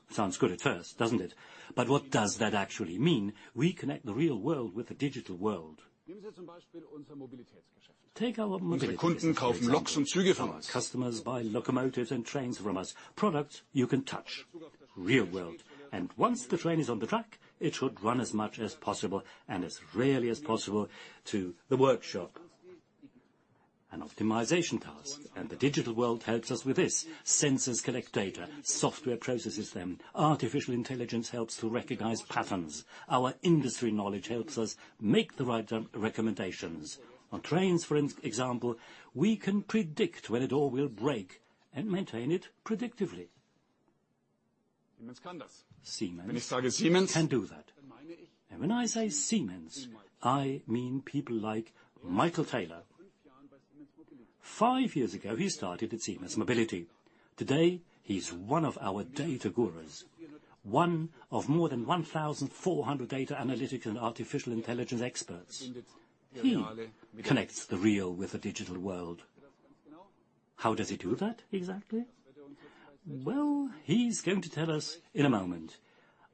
Speaker 5: Sounds good at first, doesn't it? What does that actually mean, we connect the real world with the digital world? Take our Mobility business, for example. Our customers buy locomotives and trains from us. Products you can touch. Real world. Once the train is on the track, it should run as much as possible and as rarely as possible to the workshop. An optimization task. The digital world helps us with this. Sensors collect data, software processes them. Artificial intelligence helps to recognize patterns. Our industry knowledge helps us make the right recommendations. On trains, for example, we can predict when a door will break and maintain it predictively. Siemens can do that. When I say Siemens, I mean people like Michael Taylor. Five years ago, he started at Siemens Mobility. Today, he's one of our data gurus, one of more than 1,400 data analytics and artificial intelligence experts. He connects the real with the digital world. How does he do that exactly? Well, he's going to tell us in a moment.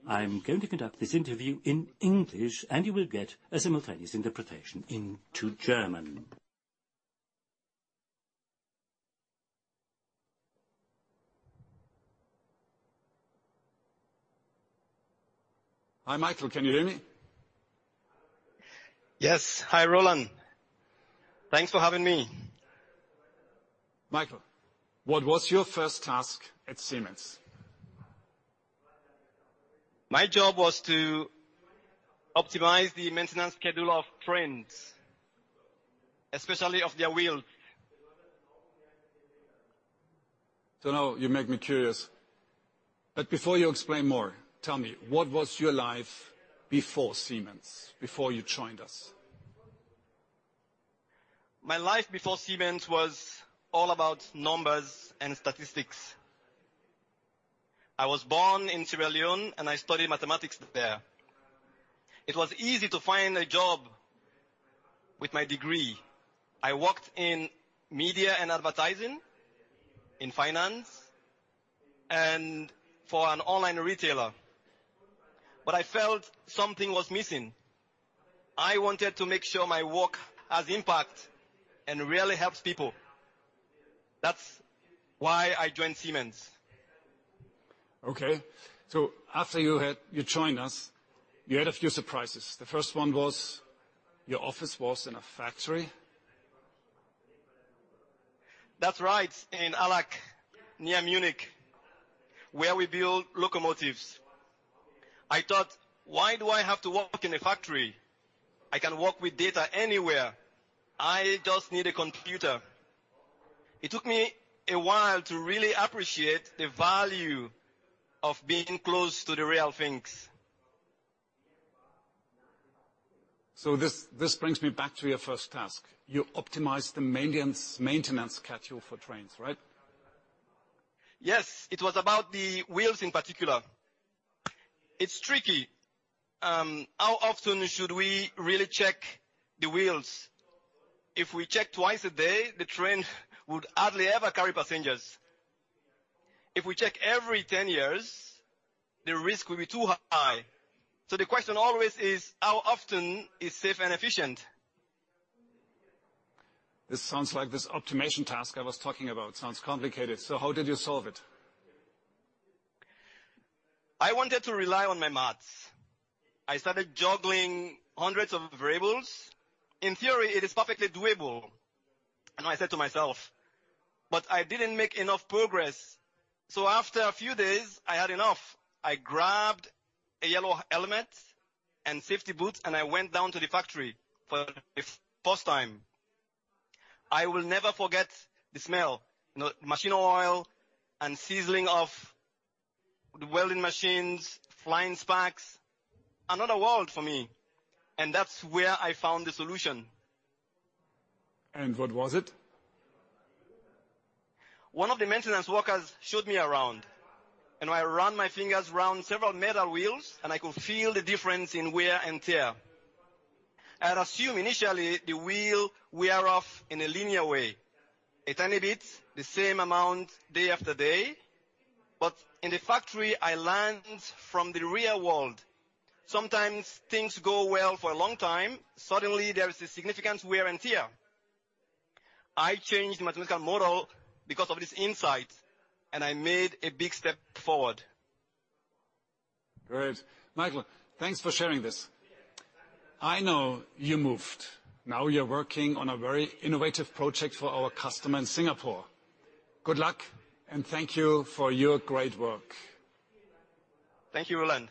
Speaker 5: I'm going to conduct this interview in English, you will get a simultaneous interpretation into German. Hi, Michael. Can you hear me?
Speaker 6: Yes. Hi, Roland. Thanks for having me.
Speaker 5: Michael, what was your first task at Siemens?
Speaker 6: My job was to optimize the maintenance schedule of trains, especially of their wheels.
Speaker 5: Now you make me curious. Before you explain more, tell me, what was your life before Siemens, before you joined us?
Speaker 6: My life before Siemens was all about numbers and statistics. I was born in Sierra Leone, and I studied mathematics there. It was easy to find a job with my degree. I worked in media and advertising, in finance, and for an online retailer. I felt something was missing. I wanted to make sure my work has impact and really helps people. That's why I joined Siemens.
Speaker 5: After you joined us, you had a few surprises. The first one was your office was in a factory?
Speaker 6: That's right. In Allach, near Munich, where we build locomotives. I thought, "Why do I have to work in a factory? I can work with data anywhere. I just need a computer." It took me a while to really appreciate the value of being close to the real things.
Speaker 5: this brings me back to your first task. You optimized the maintenance schedule for trains, right?
Speaker 6: It was about the wheels in particular. It's tricky. How often should we really check the wheels? If we check twice a day, the train would hardly ever carry passengers. If we check every 10 years, the risk will be too high. The question always is how often is safe and efficient.
Speaker 5: This sounds like this optimization task I was talking about. Sounds complicated. How did you solve it?
Speaker 6: I wanted to rely on my math. I started juggling hundreds of variables. In theory, it is perfectly doable. I said to myself, "But I didn't make enough progress." After a few days, I had enough. I grabbed a yellow helmet and safety boots, I went down to the factory for the first time. I will never forget the smell, you know, machine oil and sizzling of the welding machines, flying sparks. Another world for me, that's where I found the solution.
Speaker 5: What was it?
Speaker 6: One of the maintenance workers showed me around. I ran my fingers around several metal wheels, and I could feel the difference in wear and tear. I'd assume initially the wheel wear off in a linear way, a tiny bit, the same amount day after day. In the factory, I learned from the real world, sometimes things go well for a long time. Suddenly there is a significant wear and tear. I changed my model because of this insight. I made a big step forward.
Speaker 5: Great. Michael, thanks for sharing this. I know you moved. Now you're working on a very innovative project for our customer in Singapore. Good luck, and thank you for your great work.
Speaker 6: Thank you, Roland.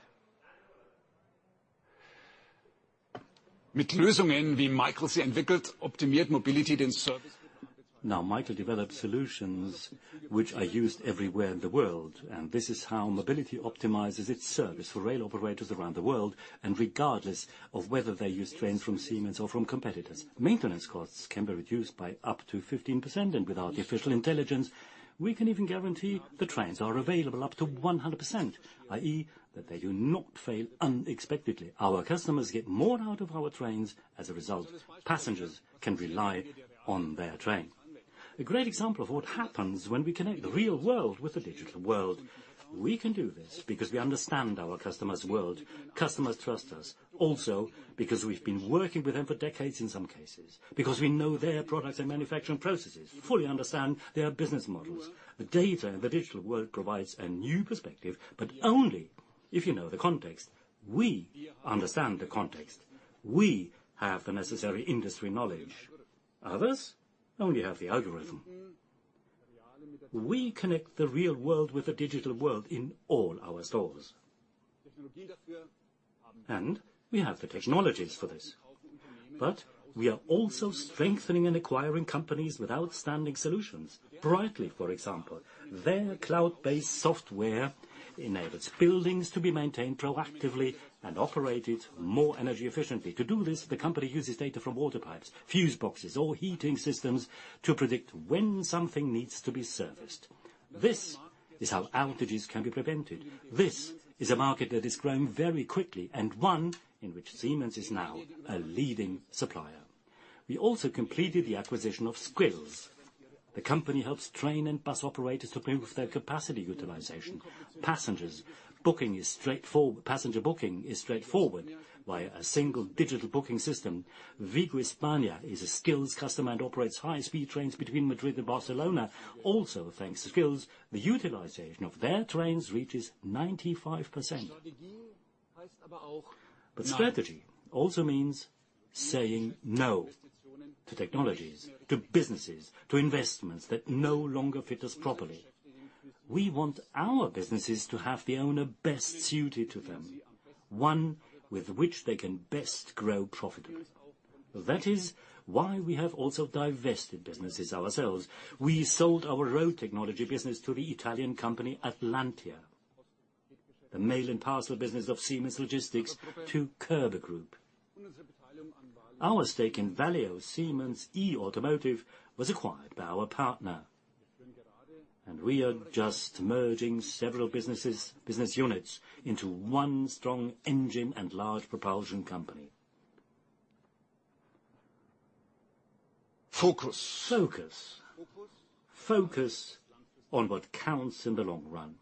Speaker 5: Michael develops solutions which are used everywhere in the world. This is how Mobility optimizes its service for rail operators around the world, regardless of whether they use trains from Siemens or from competitors. Maintenance costs can be reduced by up to 15%. With artificial intelligence, we can even guarantee the trains are available up to 100%, i.e., that they do not fail unexpectedly. Our customers get more out of our trains. As a result, passengers can rely on their train. A great example of what happens when we connect the real world with the digital world. We can do this because we understand our customers' world. Customers trust us, also because we've been working with them for decades in some cases, because we know their products and manufacturing processes, fully understand their business models. The data in the digital world provides a new perspective, but only if you know the context. We understand the context. We have the necessary industry knowledge. Others only have the algorithm. We connect the real world with the digital world in all our stores. We have the technologies for this. We are also strengthening and acquiring companies with outstanding solutions. Brightly, for example. Their cloud-based software enables buildings to be maintained proactively and operated more energy efficiently. To do this, the company uses data from water pipes, fuse boxes, or heating systems to predict when something needs to be serviced. This is how outages can be prevented. This is a market that is growing very quickly and one in which Siemens is now a leading supplier. We also completed the acquisition of Sqills. The company helps train and bus operators to improve their capacity utilization. Passenger booking is straightforward via a single digital booking system. Ouigo España is a Sqills customer and operates high-speed trains between Madrid and Barcelona. Thanks to Sqills, the utilization of their trains reaches 95%. Strategy also means saying no to technologies, to businesses, to investments that no longer fit us properly. We want our businesses to have the owner best suited to them, one with which they can best grow profitably. That is why we have also divested businesses ourselves. We sold our road technology business to the Italian company Atlantia, the mail and parcel business of Siemens Logistics to Körber Group. Our stake in Valeo Siemens eAutomotive was acquired by our partner. We are just merging several business units into one strong engine and large propulsion company. Focus. Focus. Focus on what counts in the long run.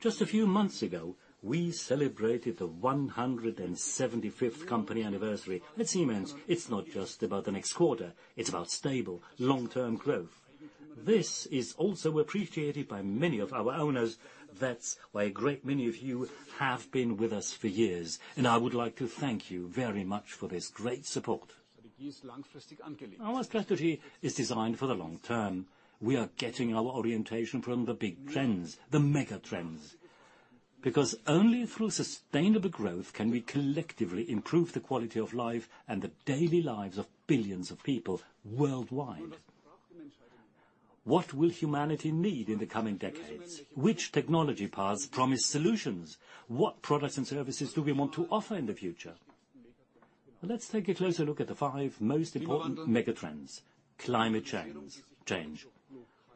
Speaker 5: Just a few months ago, we celebrated the 175th company anniversary. At Siemens, it's not just about the next quarter, it's about stable long-term growth. This is also appreciated by many of our owners. That's why a great many of you have been with us for years. I would like to thank you very much for this great support. Our strategy is designed for the long term. We are getting our orientation from the big trends, the mega trends, because only through sustainable growth can we collectively improve the quality of life and the daily lives of billions of people worldwide. What will humanity need in the coming decades? Which technology paths promise solutions? What products and services do we want to offer in the future? Let's take a closer look at the five most important mega trends. Climate change.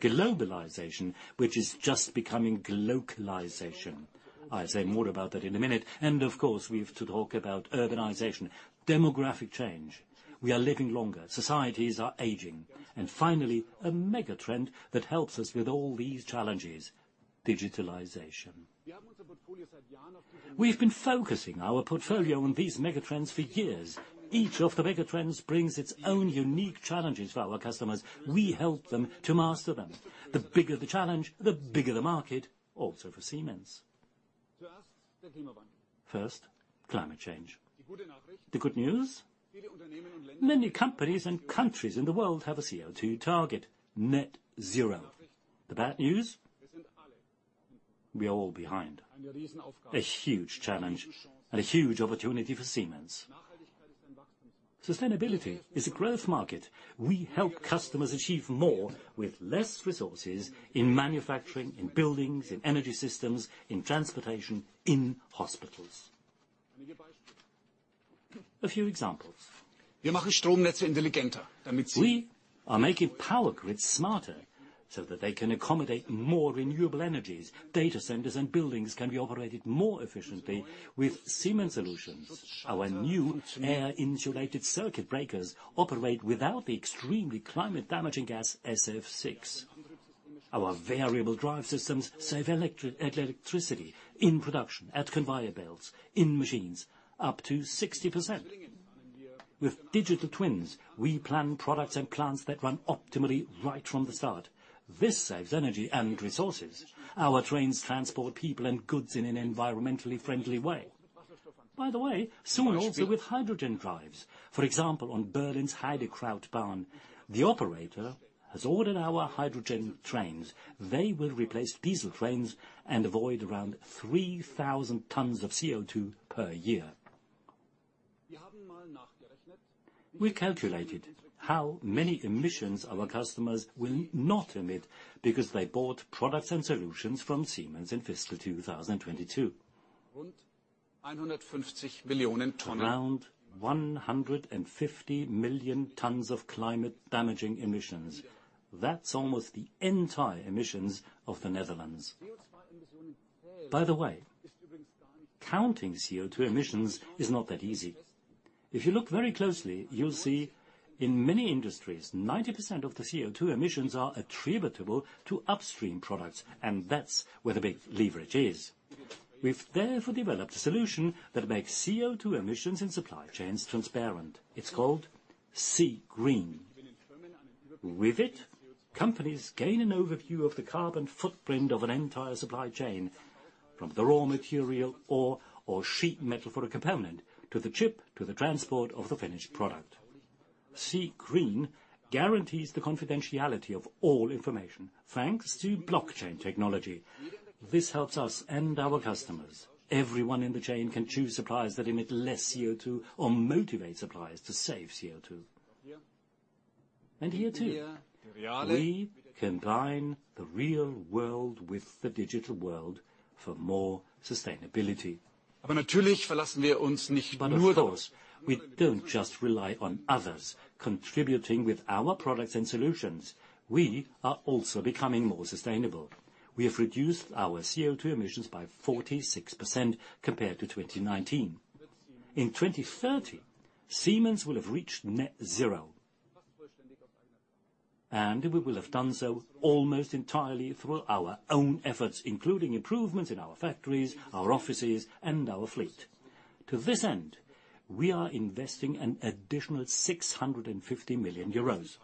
Speaker 5: Globalization, which is just becoming glocalization. I say more about that in a minute. Of course, we've to talk about urbanization. Demographic change. We are living longer. Societies are aging. Finally, a mega trend that helps us with all these challenges: digitalization. We've been focusing our portfolio on these mega trends for years. Each of the mega trends brings its own unique challenges to our customers. We help them to master them. The bigger the challenge, the bigger the market, also for Siemens. First, climate change. The good news, many companies and countries in the world have a CO₂ target, net zero. The bad news, we are all behind. A huge challenge and a huge opportunity for Siemens. Sustainability is a growth market. We help customers achieve more with less resources in manufacturing, in buildings, in energy systems, in transportation, in hospitals. A few examples. We are making power grids smarter so that they can accommodate more renewable energies. Data centers and buildings can be operated more efficiently with Siemens solutions. Our new air insulated circuit breakers operate without the extremely climate-damaging gas SF₆. Our variable drive systems save electricity in production at conveyor belts, in machines, up to 60%. With digital twins, we plan products and plants that run optimally right from the start. This saves energy and resources. Our trains transport people and goods in an environmentally friendly way. By the way, soon also with hydrogen drives. For example, on Berlin's Heidekrautbahn, the operator has ordered our hydrogen trains. They will replace diesel trains and avoid around 3,000 tons of CO₂ per year. We calculated how many emissions our customers will not emit because they bought products and solutions from Siemens in fiscal 2022. Around 150 million tons of climate-damaging emissions. That's almost the entire emissions of the Netherlands. By the way, counting CO₂ emissions is not that easy. If you look very closely, you'll see in many industries, 90% of the CO₂ emissions are attributable to upstream products, and that's where the big leverage is. We've therefore developed a solution that makes CO₂ emissions and supply chains transparent. It's called SiGREEN. With it, companies gain an overview of the carbon footprint of an entire supply chain from the raw material or sheet metal for a component, to the chip, to the transport of the finished product. SiGREEN guarantees the confidentiality of all information, thanks to blockchain technology. This helps us and our customers. Everyone in the chain can choose suppliers that emit less CO₂, or motivate suppliers to save CO₂. Here, too, we combine the real world with the digital world for more sustainability. Of course, we don't just rely on others contributing with our products and solutions. We are also becoming more sustainable. We have reduced our CO₂ emissions by 46% compared to 2019. In 2030, Siemens will have reached net zero. We will have done so almost entirely through our own efforts, including improvements in our factories, our offices, and our fleet. To this end, we are investing an additional 650 million euros.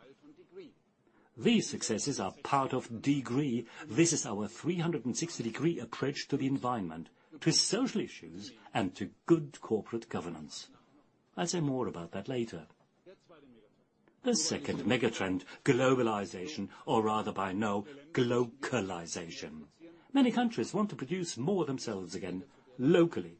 Speaker 5: These successes are part of DEGREE. This is our 360-degree approach to the environment, to social issues, and to good corporate governance. I'll say more about that later. The second megatrend, globalization, or rather by now, glocalization. Many countries want to produce more themselves again locally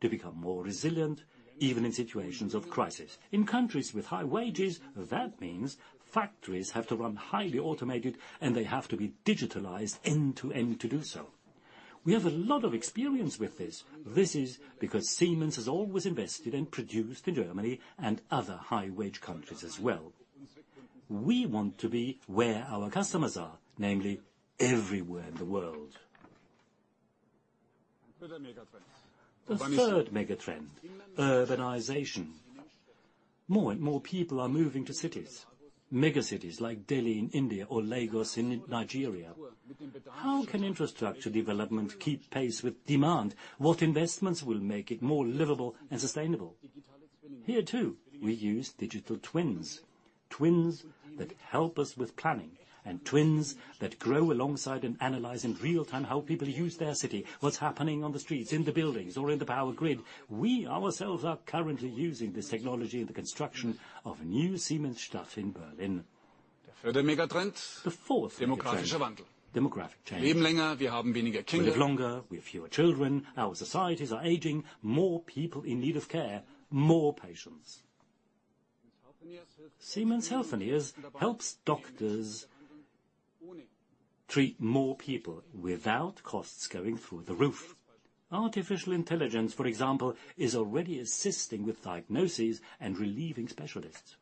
Speaker 5: to become more resilient, even in situations of crisis. In countries with high wages, that means factories have to run highly automated, and they have to be digitalized end-to-end to do so. We have a lot of experience with this. This is because Siemens has always invested and produced in Germany and other high-wage countries as well. We want to be where our customers are, namely everywhere in the world. The third megatrend, urbanization. More and more people are moving to cities, megacities like Delhi in India or Lagos in Nigeria. How can infrastructure development keep pace with demand? What investments will make it more livable and sustainable? Here too, we use digital twins that help us with planning, and twins that grow alongside and analyze in real-time how people use their city, what's happening on the streets, in the buildings or in the power grid. We ourselves are currently using this technology in the construction of a new Siemensstadt in Berlin. The fourth megatrend, demographic change. We live longer. We have fewer children. Our societies are aging. More people in need of care, more patients. Siemens Healthineers helps doctors treat more people without costs going through the roof. Artificial intelligence, for example, is already assisting with diagnoses and relieving specialists.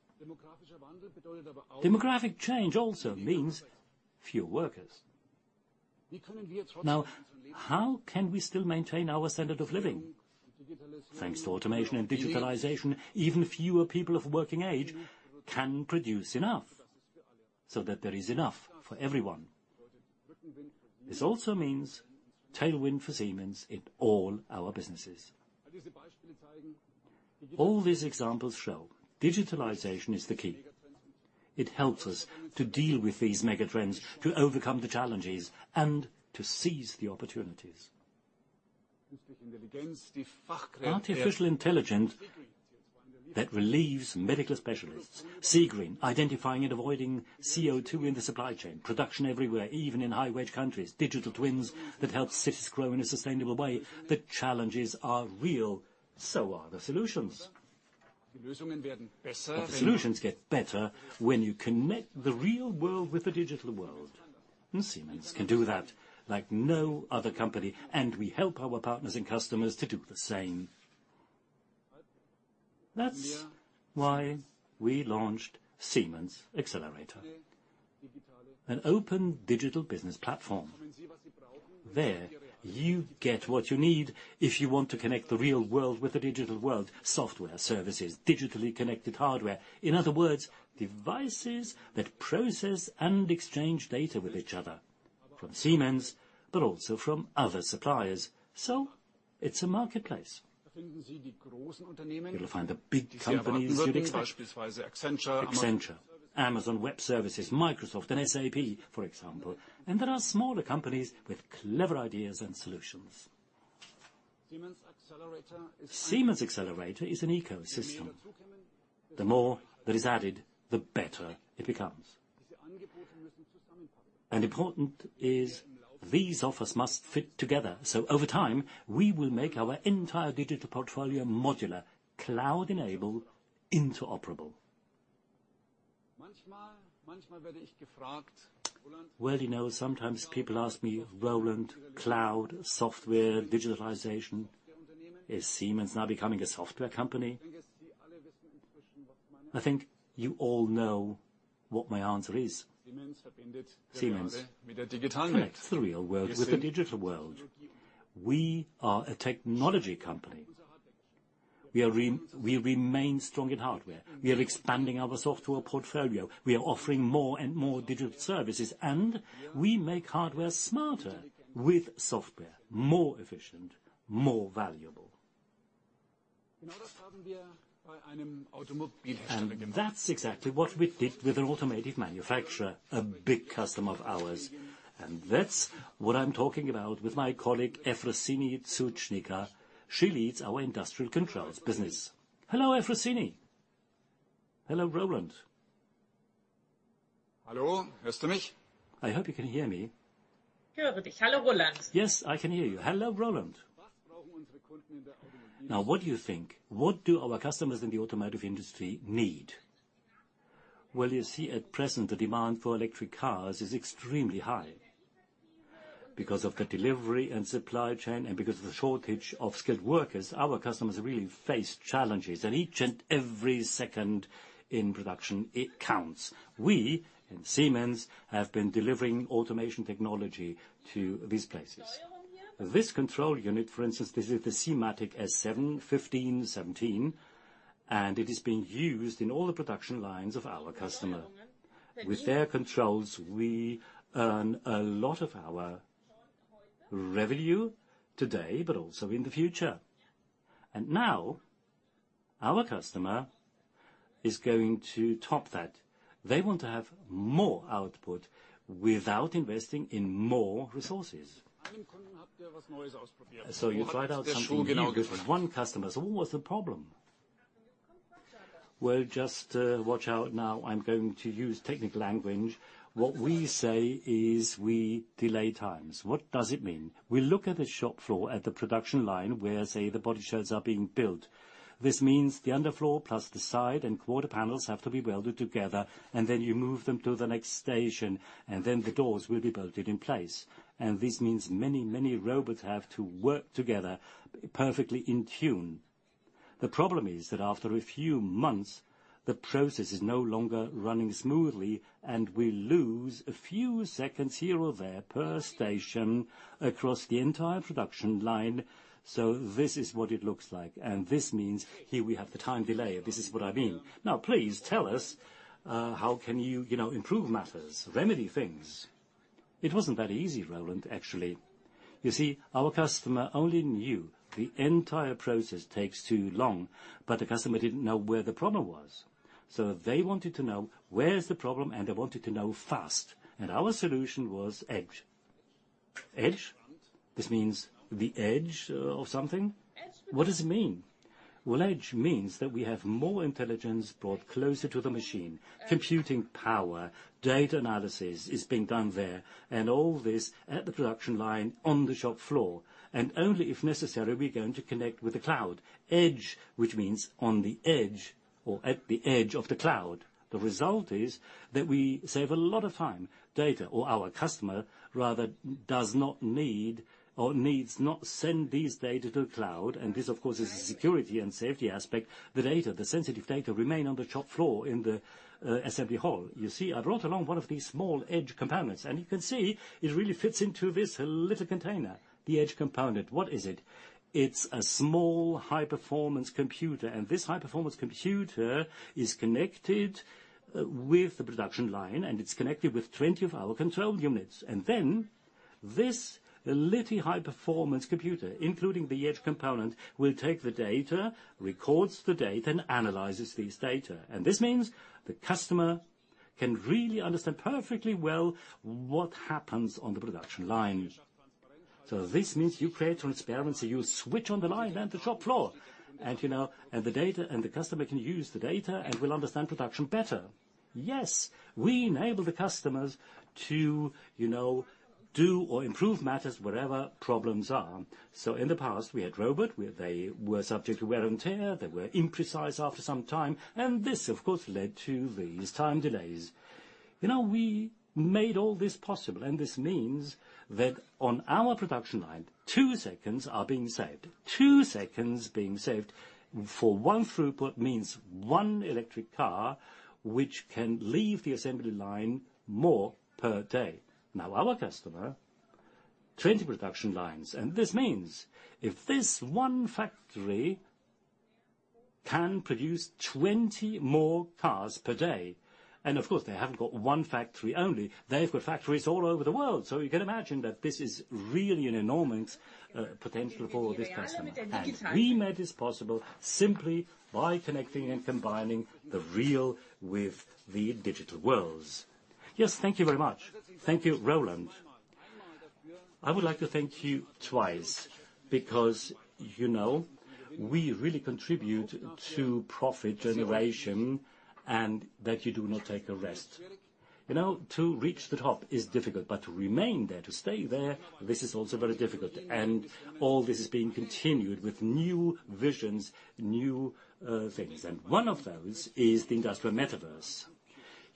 Speaker 5: Demographic change also means few workers. How can we still maintain our standard of living? Thanks to automation and digitalization, even fewer people of working age can produce enough so that there is enough for everyone. This also means tailwind for Siemens in all our businesses. All these examples show digitalization is the key. It helps us to deal with these megatrends, to overcome the challenges, and to seize the opportunities. Artificial intelligence that relieves medical specialists. SiGREEN, identifying and avoiding CO₂ in the supply chain. Production everywhere, even in high-wage countries. Digital twins that help cities grow in a sustainable way. The challenges are real, so are the solutions. The solutions get better when you connect the real world with the digital world, and Siemens can do that like no other company, and we help our partners and customers to do the same. That's why we launched Siemens Xcelerator, an open digital business platform. There, you get what you need if you want to connect the real world with the digital world: software, services, digitally connected hardware. In other words, devices that process and exchange data with each other from Siemens, but also from other suppliers. It's a marketplace. You'll find the big companies you'd expect, Accenture, Amazon Web Services, Microsoft, and SAP, for example, and there are smaller companies with clever ideas and solutions. Siemens Xcelerator is an ecosystem. The more that is added, the better it becomes. Important is these offers must fit together. Over time, we will make our entire digital portfolio modular, cloud-enabled, interoperable. Well, you know, sometimes people ask me, "Roland, cloud software digitalization, is Siemens now becoming a software company?" I think you all know what my answer is. Siemens connects the real world with the digital world. We are a technology company. We remain strong in hardware. We are expanding our software portfolio. We are offering more and more digital services. We make hardware smarter with software, more efficient, more valuable. That's exactly what we did with an automotive manufacturer, a big customer of ours. That's what I'm talking about with my colleague, Efrosini Tsouchnida. She leads our Industrial Controls Business. Hello, Efrosini. Hello, Roland. I hope you can hear me. Yes, I can hear you. Hello, Roland. Now, what do you think? What do our customers in the automotive industry need? Well, you see, at present, the demand for electric cars is extremely high. Because of the delivery and supply chain, and because of the shortage of skilled workers, our customers really face challenges. Each and every second in production, it counts. We, in Siemens, have been delivering automation technology to these places. This control unit, for instance, this is the SIMATIC S7-1517, and it is being used in all the production lines of our customer. With their controls, we earn a lot of our revenue today, but also in the future. Now our customer is going to top that. They want to have more output without investing in more resources. You tried out something new with one customer. What was the problem? Well, just to watch out. Now I'm going to use technical language. What we say is we delay times. What does it mean? We look at the shop floor at the production line where, say, the body shells are being built. This means the underfloor plus the side and quarter panels have to be welded together, and then you move them to the next station, and then the doors will be bolted in place. This means many, many robots have to work together perfectly in tune. The problem is that after a few months, the process is no longer running smoothly, and we lose a few seconds here or there per station across the entire production line. This is what it looks like. This means here we have the time delay. This is what I mean. Now please tell us, how can you know, improve matters, remedy things? It wasn't that easy, Roland, actually. You see, our customer only knew the entire process takes too long, but the customer didn't know where the problem was. They wanted to know where is the problem, and they wanted to know fast. Our solution was edge. Edge? This means the edge of something. What does it mean? Well, edge means that we have more intelligence brought closer to the machine. Computing power, data analysis is being done there, all this at the production line on the shop floor. Only if necessary, we're going to connect with the cloud. Edge, which means on the edge or at the edge of the cloud. The result is that we save a lot of time. Data or our customer rather, does not need or needs not send these data to the cloud. This, of course, is a security and safety aspect. The data, the sensitive data remain on the shop floor in the assembly hall. You see, I brought along one of these small edge components, and you can see it really fits into this little container. The edge component, what is it? It's a small high-performance computer. This high-performance computer is connected with the production line, and it's connected with 20 of our control units. This little high-performance computer, including the edge component, will take the data, records the data, and analyzes these data. This means the customer can really understand perfectly well what happens on the production line. This means you create transparency, you switch on the line and the shop floor, and, you know. The customer can use the data and will understand production better. Yes. We enable the customers to, you know, do or improve matters wherever problems are. In the past we had robot, where they were subject to wear and tear, they were imprecise after some time. This, of course, led to these time delays. You know, we made all this possible, and this means that on our production line, two seconds are being saved. Two seconds being saved for one throughput means one electric car, which can leave the assembly line more per day. Now our customer, 20 production lines, This means if this one factory can produce 20 more cars per day, Of course they haven't got one factory only, they've got factories all over the world. You can imagine that this is really an enormous potential for this customer. We made this possible simply by connecting and combining the real with the digital worlds. Yes. Thank you very much. Thank you, Roland. I would like to thank you twice because, you know, we really contribute to profit generation and that you do not take a rest. You know, to reach the top is difficult, but to remain there, to stay there, this is also very difficult. All this is being continued with new visions, new things, and one of those is the industrial metaverse.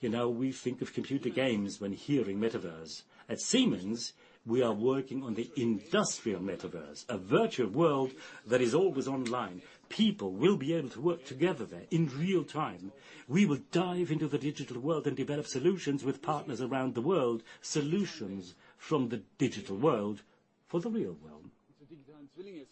Speaker 5: You know, we think of computer games when hearing metaverse. At Siemens, we are working on the industrial metaverse, a virtual world that is always online. People will be able to work together there in real time. We will dive into the digital world and develop solutions with partners around the world, solutions from the digital world for the real world.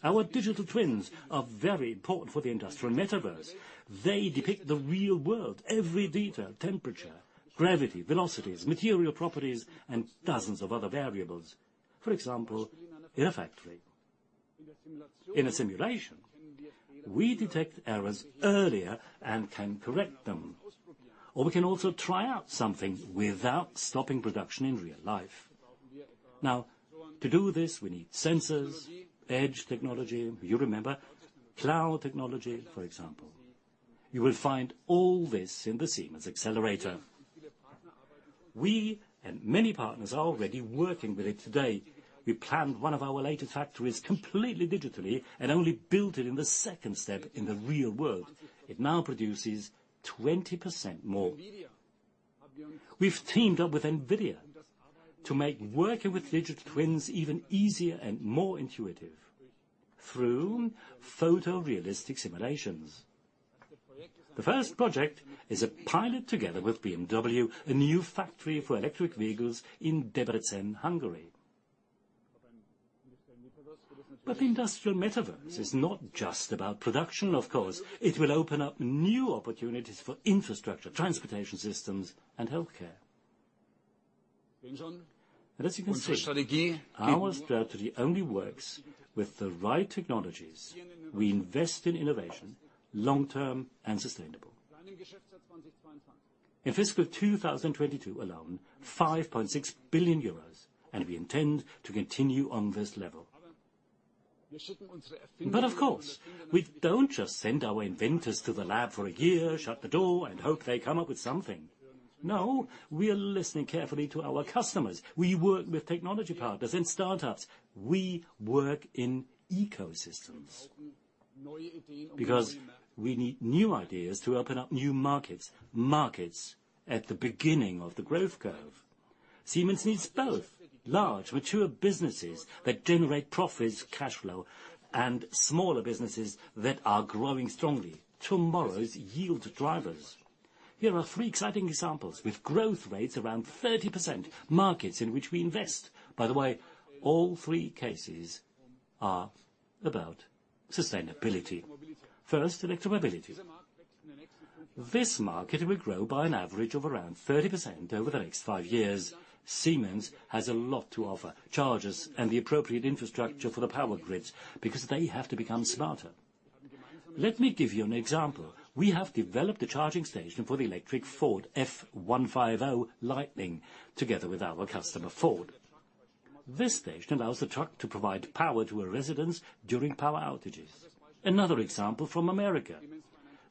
Speaker 5: Our digital twins are very important for the industrial metaverse. They depict the real world, every detail, temperature, gravity, velocities, material properties, and dozens of other variables, for example, in a factory. In a simulation, we detect errors earlier and can correct them. We can also try out something without stopping production in real life. Now, to do this, we need sensors, edge technology, you remember, cloud technology, for example. You will find all this in the Siemens Xcelerator. We and many partners are already working with it today. We planned one of our latest factories completely digitally and only built it in the second step in the real world. It now produces 20% more. We've teamed up with NVIDIA to make working with digital twins even easier and more intuitive through photorealistic simulations. The first project is a pilot together with BMW, a new factory for electric vehicles in Debrecen, Hungary. The industrial metaverse is not just about production, of course. It will open up new opportunities for infrastructure, transportation systems, and healthcare. As you can see, our strategy only works with the right technologies. We invest in innovation long-term and sustainable. In fiscal 2022 alone, 5.6 billion euros, we intend to continue on this level. Of course, we don't just send our inventors to the lab for a year, shut the door, and hope they come up with something. No, we are listening carefully to our customers. We work with technology partners and startups. We work in ecosystems because we need new ideas to open up new markets at the beginning of the growth curve. Siemens needs both large mature businesses that generate profits, cash flow, and smaller businesses that are growing strongly, tomorrow's yield drivers. Here are three exciting examples with growth rates around 30%, markets in which we invest. By the way, all three cases are about sustainability. First, electromobility. This market will grow by an average of around 30% over the next five years. Siemens has a lot to offer, chargers and the appropriate infrastructure for the power grids because they have to become smarter. Let me give you an example. We have developed a charging station for the electric Ford F-150 Lightning together with our customer, Ford. This station allows the truck to provide power to a residence during power outages. Another example from America,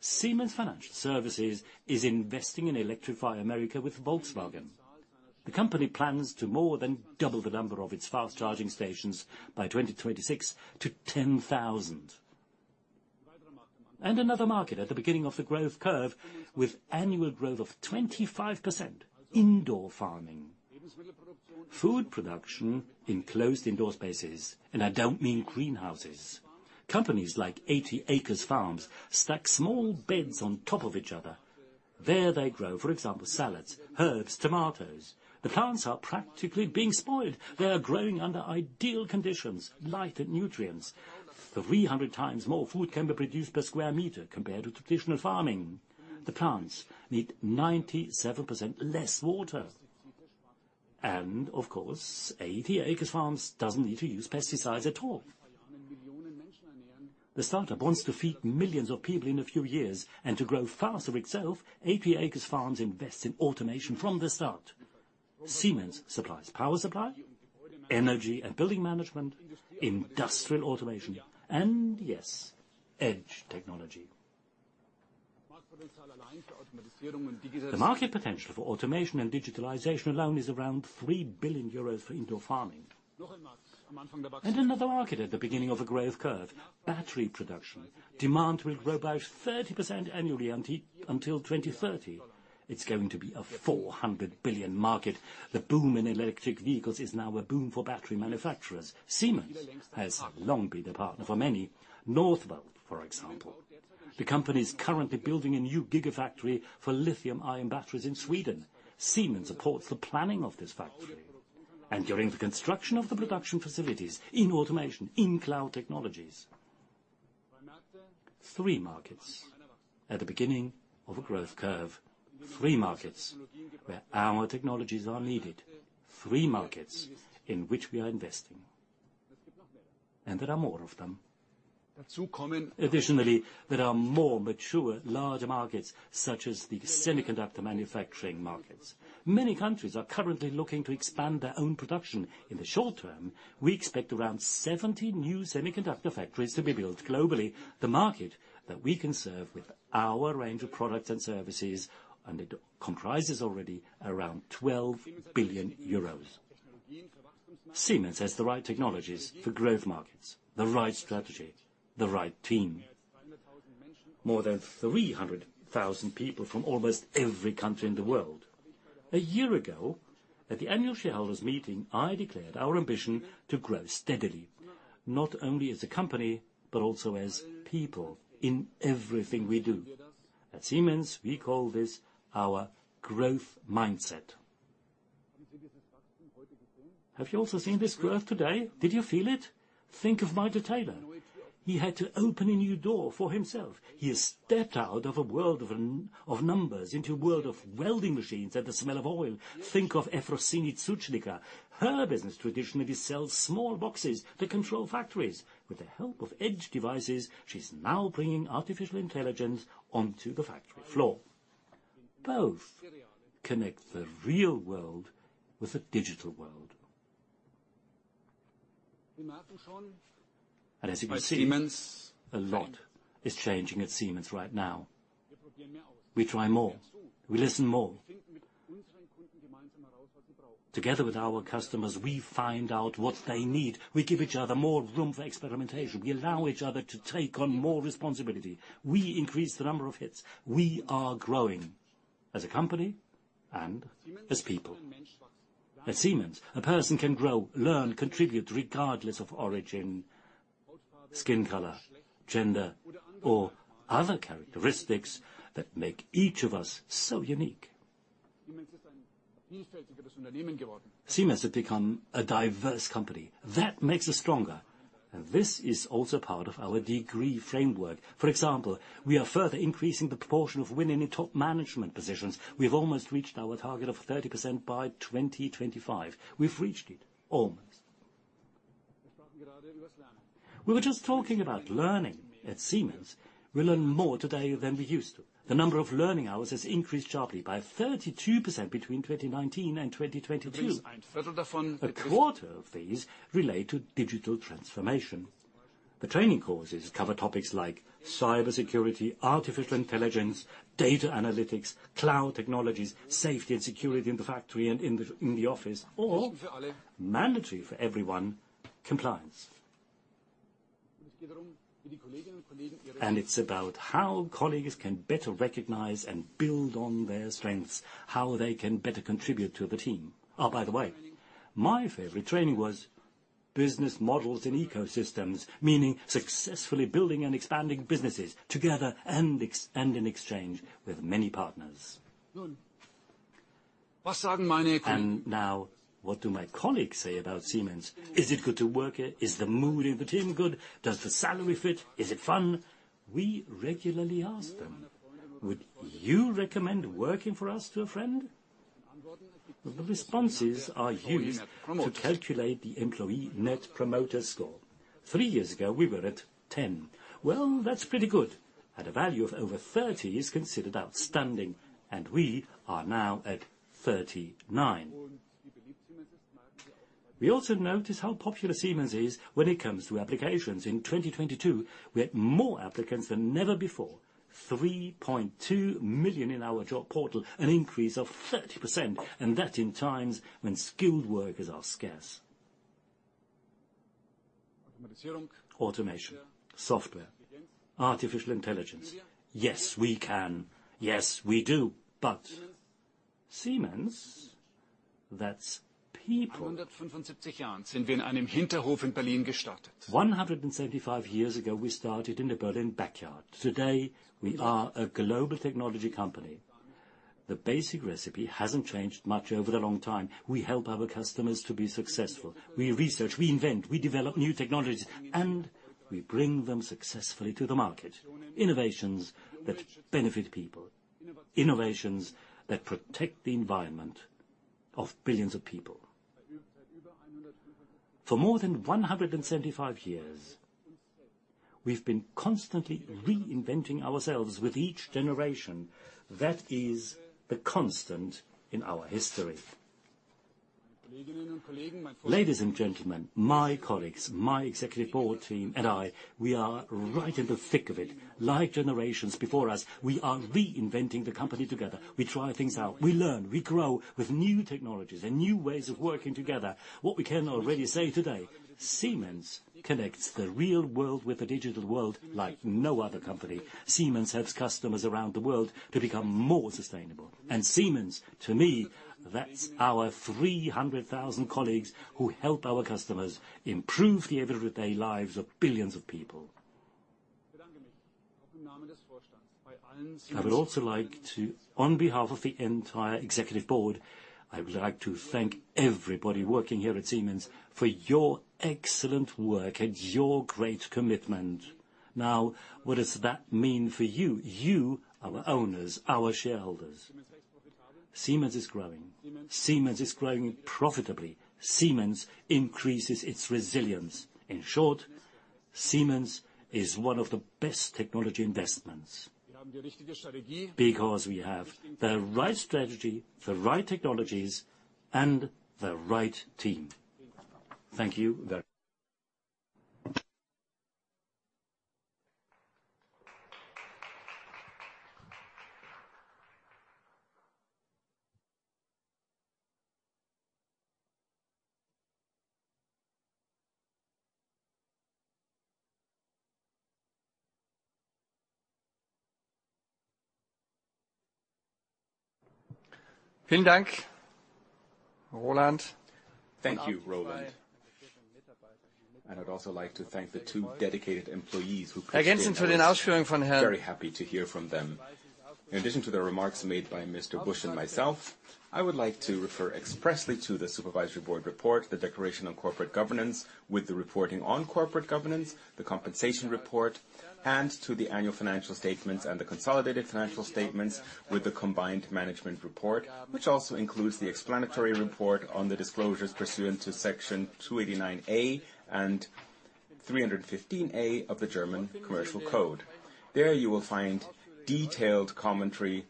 Speaker 5: Siemens Financial Services is investing in Electrify America with Volkswagen. The company plans to more than double the number of its fast-charging stations by 2026 to 10,000. Another market at the beginning of the growth curve with annual growth of 25%, indoor farming. Food production in closed indoor spaces, and I don't mean greenhouses. Companies like 80 Acres Farms stack small beds on top of each other. There they grow, for example, salads, herbs, tomatoes. The plants are practically being spoiled. They are growing under ideal conditions, light and nutrients. 30x more food can be produced per square meter compared to traditional farming. The plants need 97% less water. Of course, 80 Acres Farms doesn't need to use pesticides at all. The startup wants to feed millions of people in a few years and to grow faster itself. 80 Acres Farms invest in automation from the start. Siemens supplies power supply, energy and building management, Industrial Automation, and yes, edge technology. The market potential for automation and digitalization alone is around 3 billion euros for indoor farming. Another market at the beginning of a growth curve, battery production. Demand will grow by 30% annually until 2030. It's going to be a 400 billion market. The boom in electric vehicles is now a boom for battery manufacturers. Siemens has long been a partner for many. Northvolt, for example. The company is currently building a new gigafactory for lithium-ion batteries in Sweden. Siemens supports the planning of this factory and during the construction of the production facilities in automation, in cloud technologies. Three markets at the beginning of a growth curve. Three markets where our technologies are needed. Three markets in which we are investing. There are more of them. Additionally, there are more mature large markets, such as the semiconductor manufacturing markets. Many countries are currently looking to expand their own production. In the short term, we expect around 70 new semiconductor factories to be built globally. The market that we can serve with our range of products and services, and it comprises already around 12 billion euros. Siemens has the right technologies for growth markets, the right strategy, the right team. More than 300,000 people from almost every country in the world. A year ago, at the annual shareholders meeting, I declared our ambition to grow steadily, not only as a company, but also as people in everything we do. At Siemens, we call this our growth mindset. Have you also seen this growth today? Did you feel it? Think of Michael Taylor. He had to open a new door for himself. He has stepped out of a world of numbers into a world of welding machines and the smell of oil. Think of Efrosini Tsouchnida. Her business traditionally sells small boxes that control factories. With the help of edge devices, she's now bringing artificial intelligence onto the factory floor. Both connect the real world with the digital world. As you can see, a lot is changing at Siemens right now. We try more. We listen more. Together with our customers, we find out what they need. We give each other more room for experimentation. We allow each other to take on more responsibility. We increase the number of hits. We are growing as a company and as people. At Siemens, a person can grow, learn, contribute regardless of origin, skin color, gender, or other characteristics that make each of us so unique. Siemens has become a diverse company. That makes us stronger, and this is also part of our DEGREE framework. For example, we are further increasing the proportion of women in top management positions. We've almost reached our target of 30% by 2025. We've reached it almost. We were just talking about learning at Siemens. We learn more today than we used to. The number of learning hours has increased sharply by 32% between 2019 and 2022. A quarter of these relate to digital transformation. The training courses cover topics like cybersecurity, artificial intelligence, data analytics, cloud technologies, safety and security in the factory and in the office, or mandatory for everyone, compliance. It's about how colleagues can better recognize and build on their strengths, how they can better contribute to the team. Oh, by the way, my favorite training was business models and ecosystems, meaning successfully building and expanding businesses together and in exchange with many partners. Now, what do my colleagues say about Siemens? Is it good to work here? Is the mood in the team good? Does the salary fit? Is it fun? We regularly ask them, "Would you recommend working for us to a friend?" The responses are used to calculate the employee Net Promoter Score. Three years ago, we were at 10. Well, that's pretty good. At a value of over 30 is considered outstanding, and we are now at 39. We also notice how popular Siemens is when it comes to applications. In 2022, we had more applicants than never before, 3.2 million in our job portal, an increase of 30%, and that in times when skilled workers are scarce. Automation, software, artificial intelligence. Yes, we can. Yes, we do. Siemens, that's people. 175 years ago, we started in a Berlin backyard. Today, we are a global technology company. The basic recipe hasn't changed much over a long time. We help our customers to be successful. We research, we invent, we develop new technologies, and we bring them successfully to the market. Innovations that benefit people, innovations that protect the environment of billions of people. For more than 175 years, we've been constantly reinventing ourselves with each generation. That is the constant in our history. Ladies and gentlemen, my colleagues, my executive board team and I, we are right in the thick of it. Like generations before us, we are reinventing the company together. We try things out. We learn. We grow with new technologies and new ways of working together. What we can already say today, Siemens connects the real world with the digital world like no other company. Siemens helps customers around the world to become more sustainable. Siemens, to me, that's our 300,000 colleagues who help our customers improve the everyday lives of billions of people. I would also like to, on behalf of the entire executive board, I would like to thank everybody working here at Siemens for your excellent work and your great commitment. What does that mean for you? You, our owners, our shareholders. Siemens is growing. Siemens is growing profitably. Siemens increases its resilience. In short, Siemens is one of the best technology investments because we have the right strategy, the right technologies, and the right team. Thank you very
Speaker 7: Thank you, Roland. I'd also like to thank the two dedicated employees who very happy to hear from them. In addition to the remarks made by Mr. Busch and myself, I would like to refer expressly to the Supervisory Board report, the declaration on corporate governance with the reporting on corporate governance, the compensation report, and to the annual financial statements and the consolidated financial statements with the combined management report, which also includes the explanatory report on the disclosures pursuant to Section 289a and 315a of the German Commercial Code. There you will find detailed commentary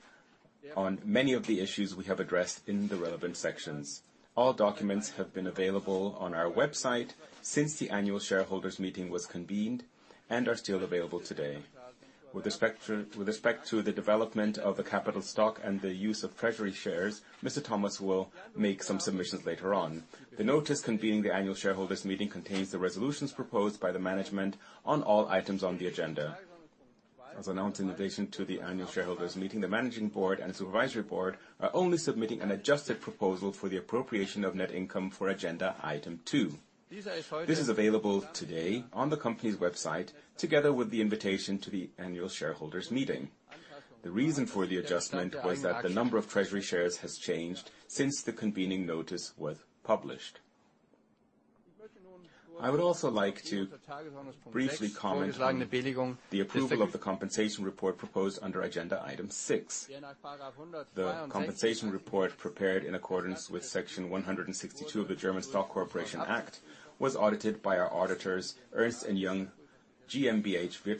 Speaker 7: on many of the issues we have addressed in the relevant sections. All documents have been available on our website since the annual shareholders meeting was convened and are still available today. With respect to the development of the capital stock and the use of treasury shares, Mr. Thomas will make some submissions later on. The notice convening the annual shareholders meeting contains the resolutions proposed by the management on all items on the agenda. As announced in relation to the annual shareholders meeting, the managing board and supervisory board are only submitting an adjusted proposal for the appropriation of net income for agenda item two. This is available today on the company's website, together with the invitation to the annual shareholders meeting. The reason for the adjustment was that the number of treasury shares has changed since the convening notice was published. I would also like to briefly comment on the approval of the compensation report proposed under agenda item six. The compensation report prepared in accordance with Section 162 of the German Stock Corporation Act, was audited by our auditors, Ernst & Young GmbH. We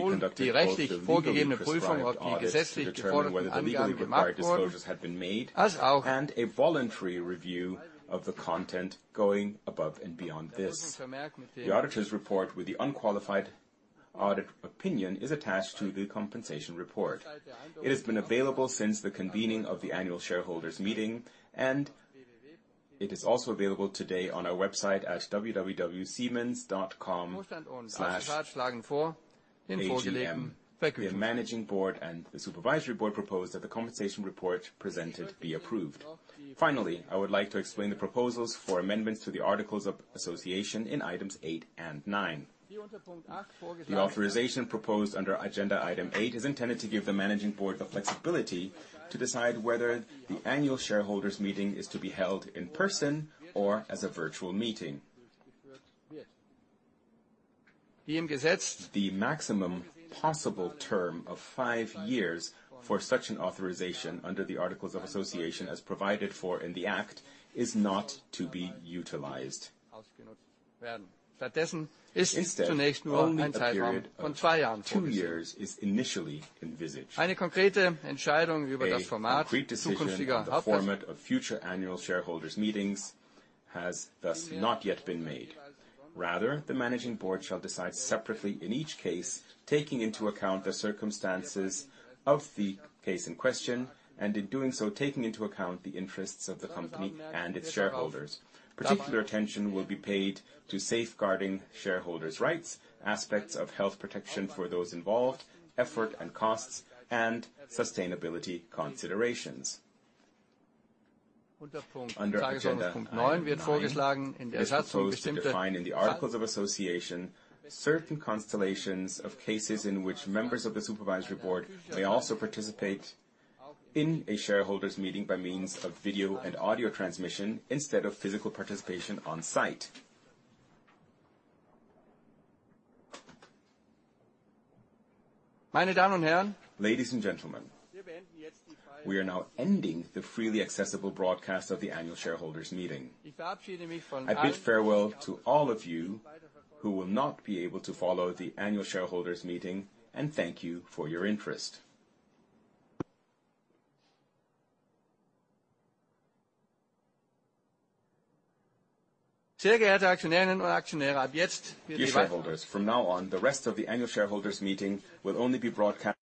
Speaker 7: conducted both the legally prescribed audits to determine whether the legally required disclosures had been made and a voluntary review of the content going above and beyond this. The auditor's report with the unqualified audit opinion is attached to the compensation report. It has been available since the convening of the annual shareholders meeting, and it is also available today on our website at www.siemens.com/agm. The Managing Board and the Supervisory Board propose that the compensation report presented be approved. Finally, I would like to explain the proposals for amendments to the articles of association in items 8 and 9. The authorization proposed under agenda item eight is intended to give the Managing Board the flexibility to decide whether the Annual Shareholders Meeting is to be held in person or as a virtual meeting. The maximum possible term of five years for such an authorization under the Articles of Association, as provided for in the act, is not to be utilized. Instead, only a period of two years is initially envisaged. A concrete decision on the format of future Annual Shareholders Meetings has thus not yet been made. Rather, the Managing Board shall decide separately in each case, taking into account the circumstances of the case in question, and in doing so, taking into account the interests of the company and its shareholders. Particular attention will be paid to safeguarding shareholders' rights, aspects of health protection for those involved, effort and costs, and sustainability considerations. Under agenda item nine, it's proposed to define in the articles of association certain constellations of cases in which members of the supervisory board may also participate in a shareholders meeting by means of video and audio transmission instead of physical participation on site. Ladies and gentlemen, we are now ending the freely accessible broadcast of the annual shareholders meeting. I bid farewell to all of you who will not be able to follow the annual shareholders meeting and thank you for your interest. Dear shareholders, from now on, the rest of the annual shareholders meeting will only be broadcas.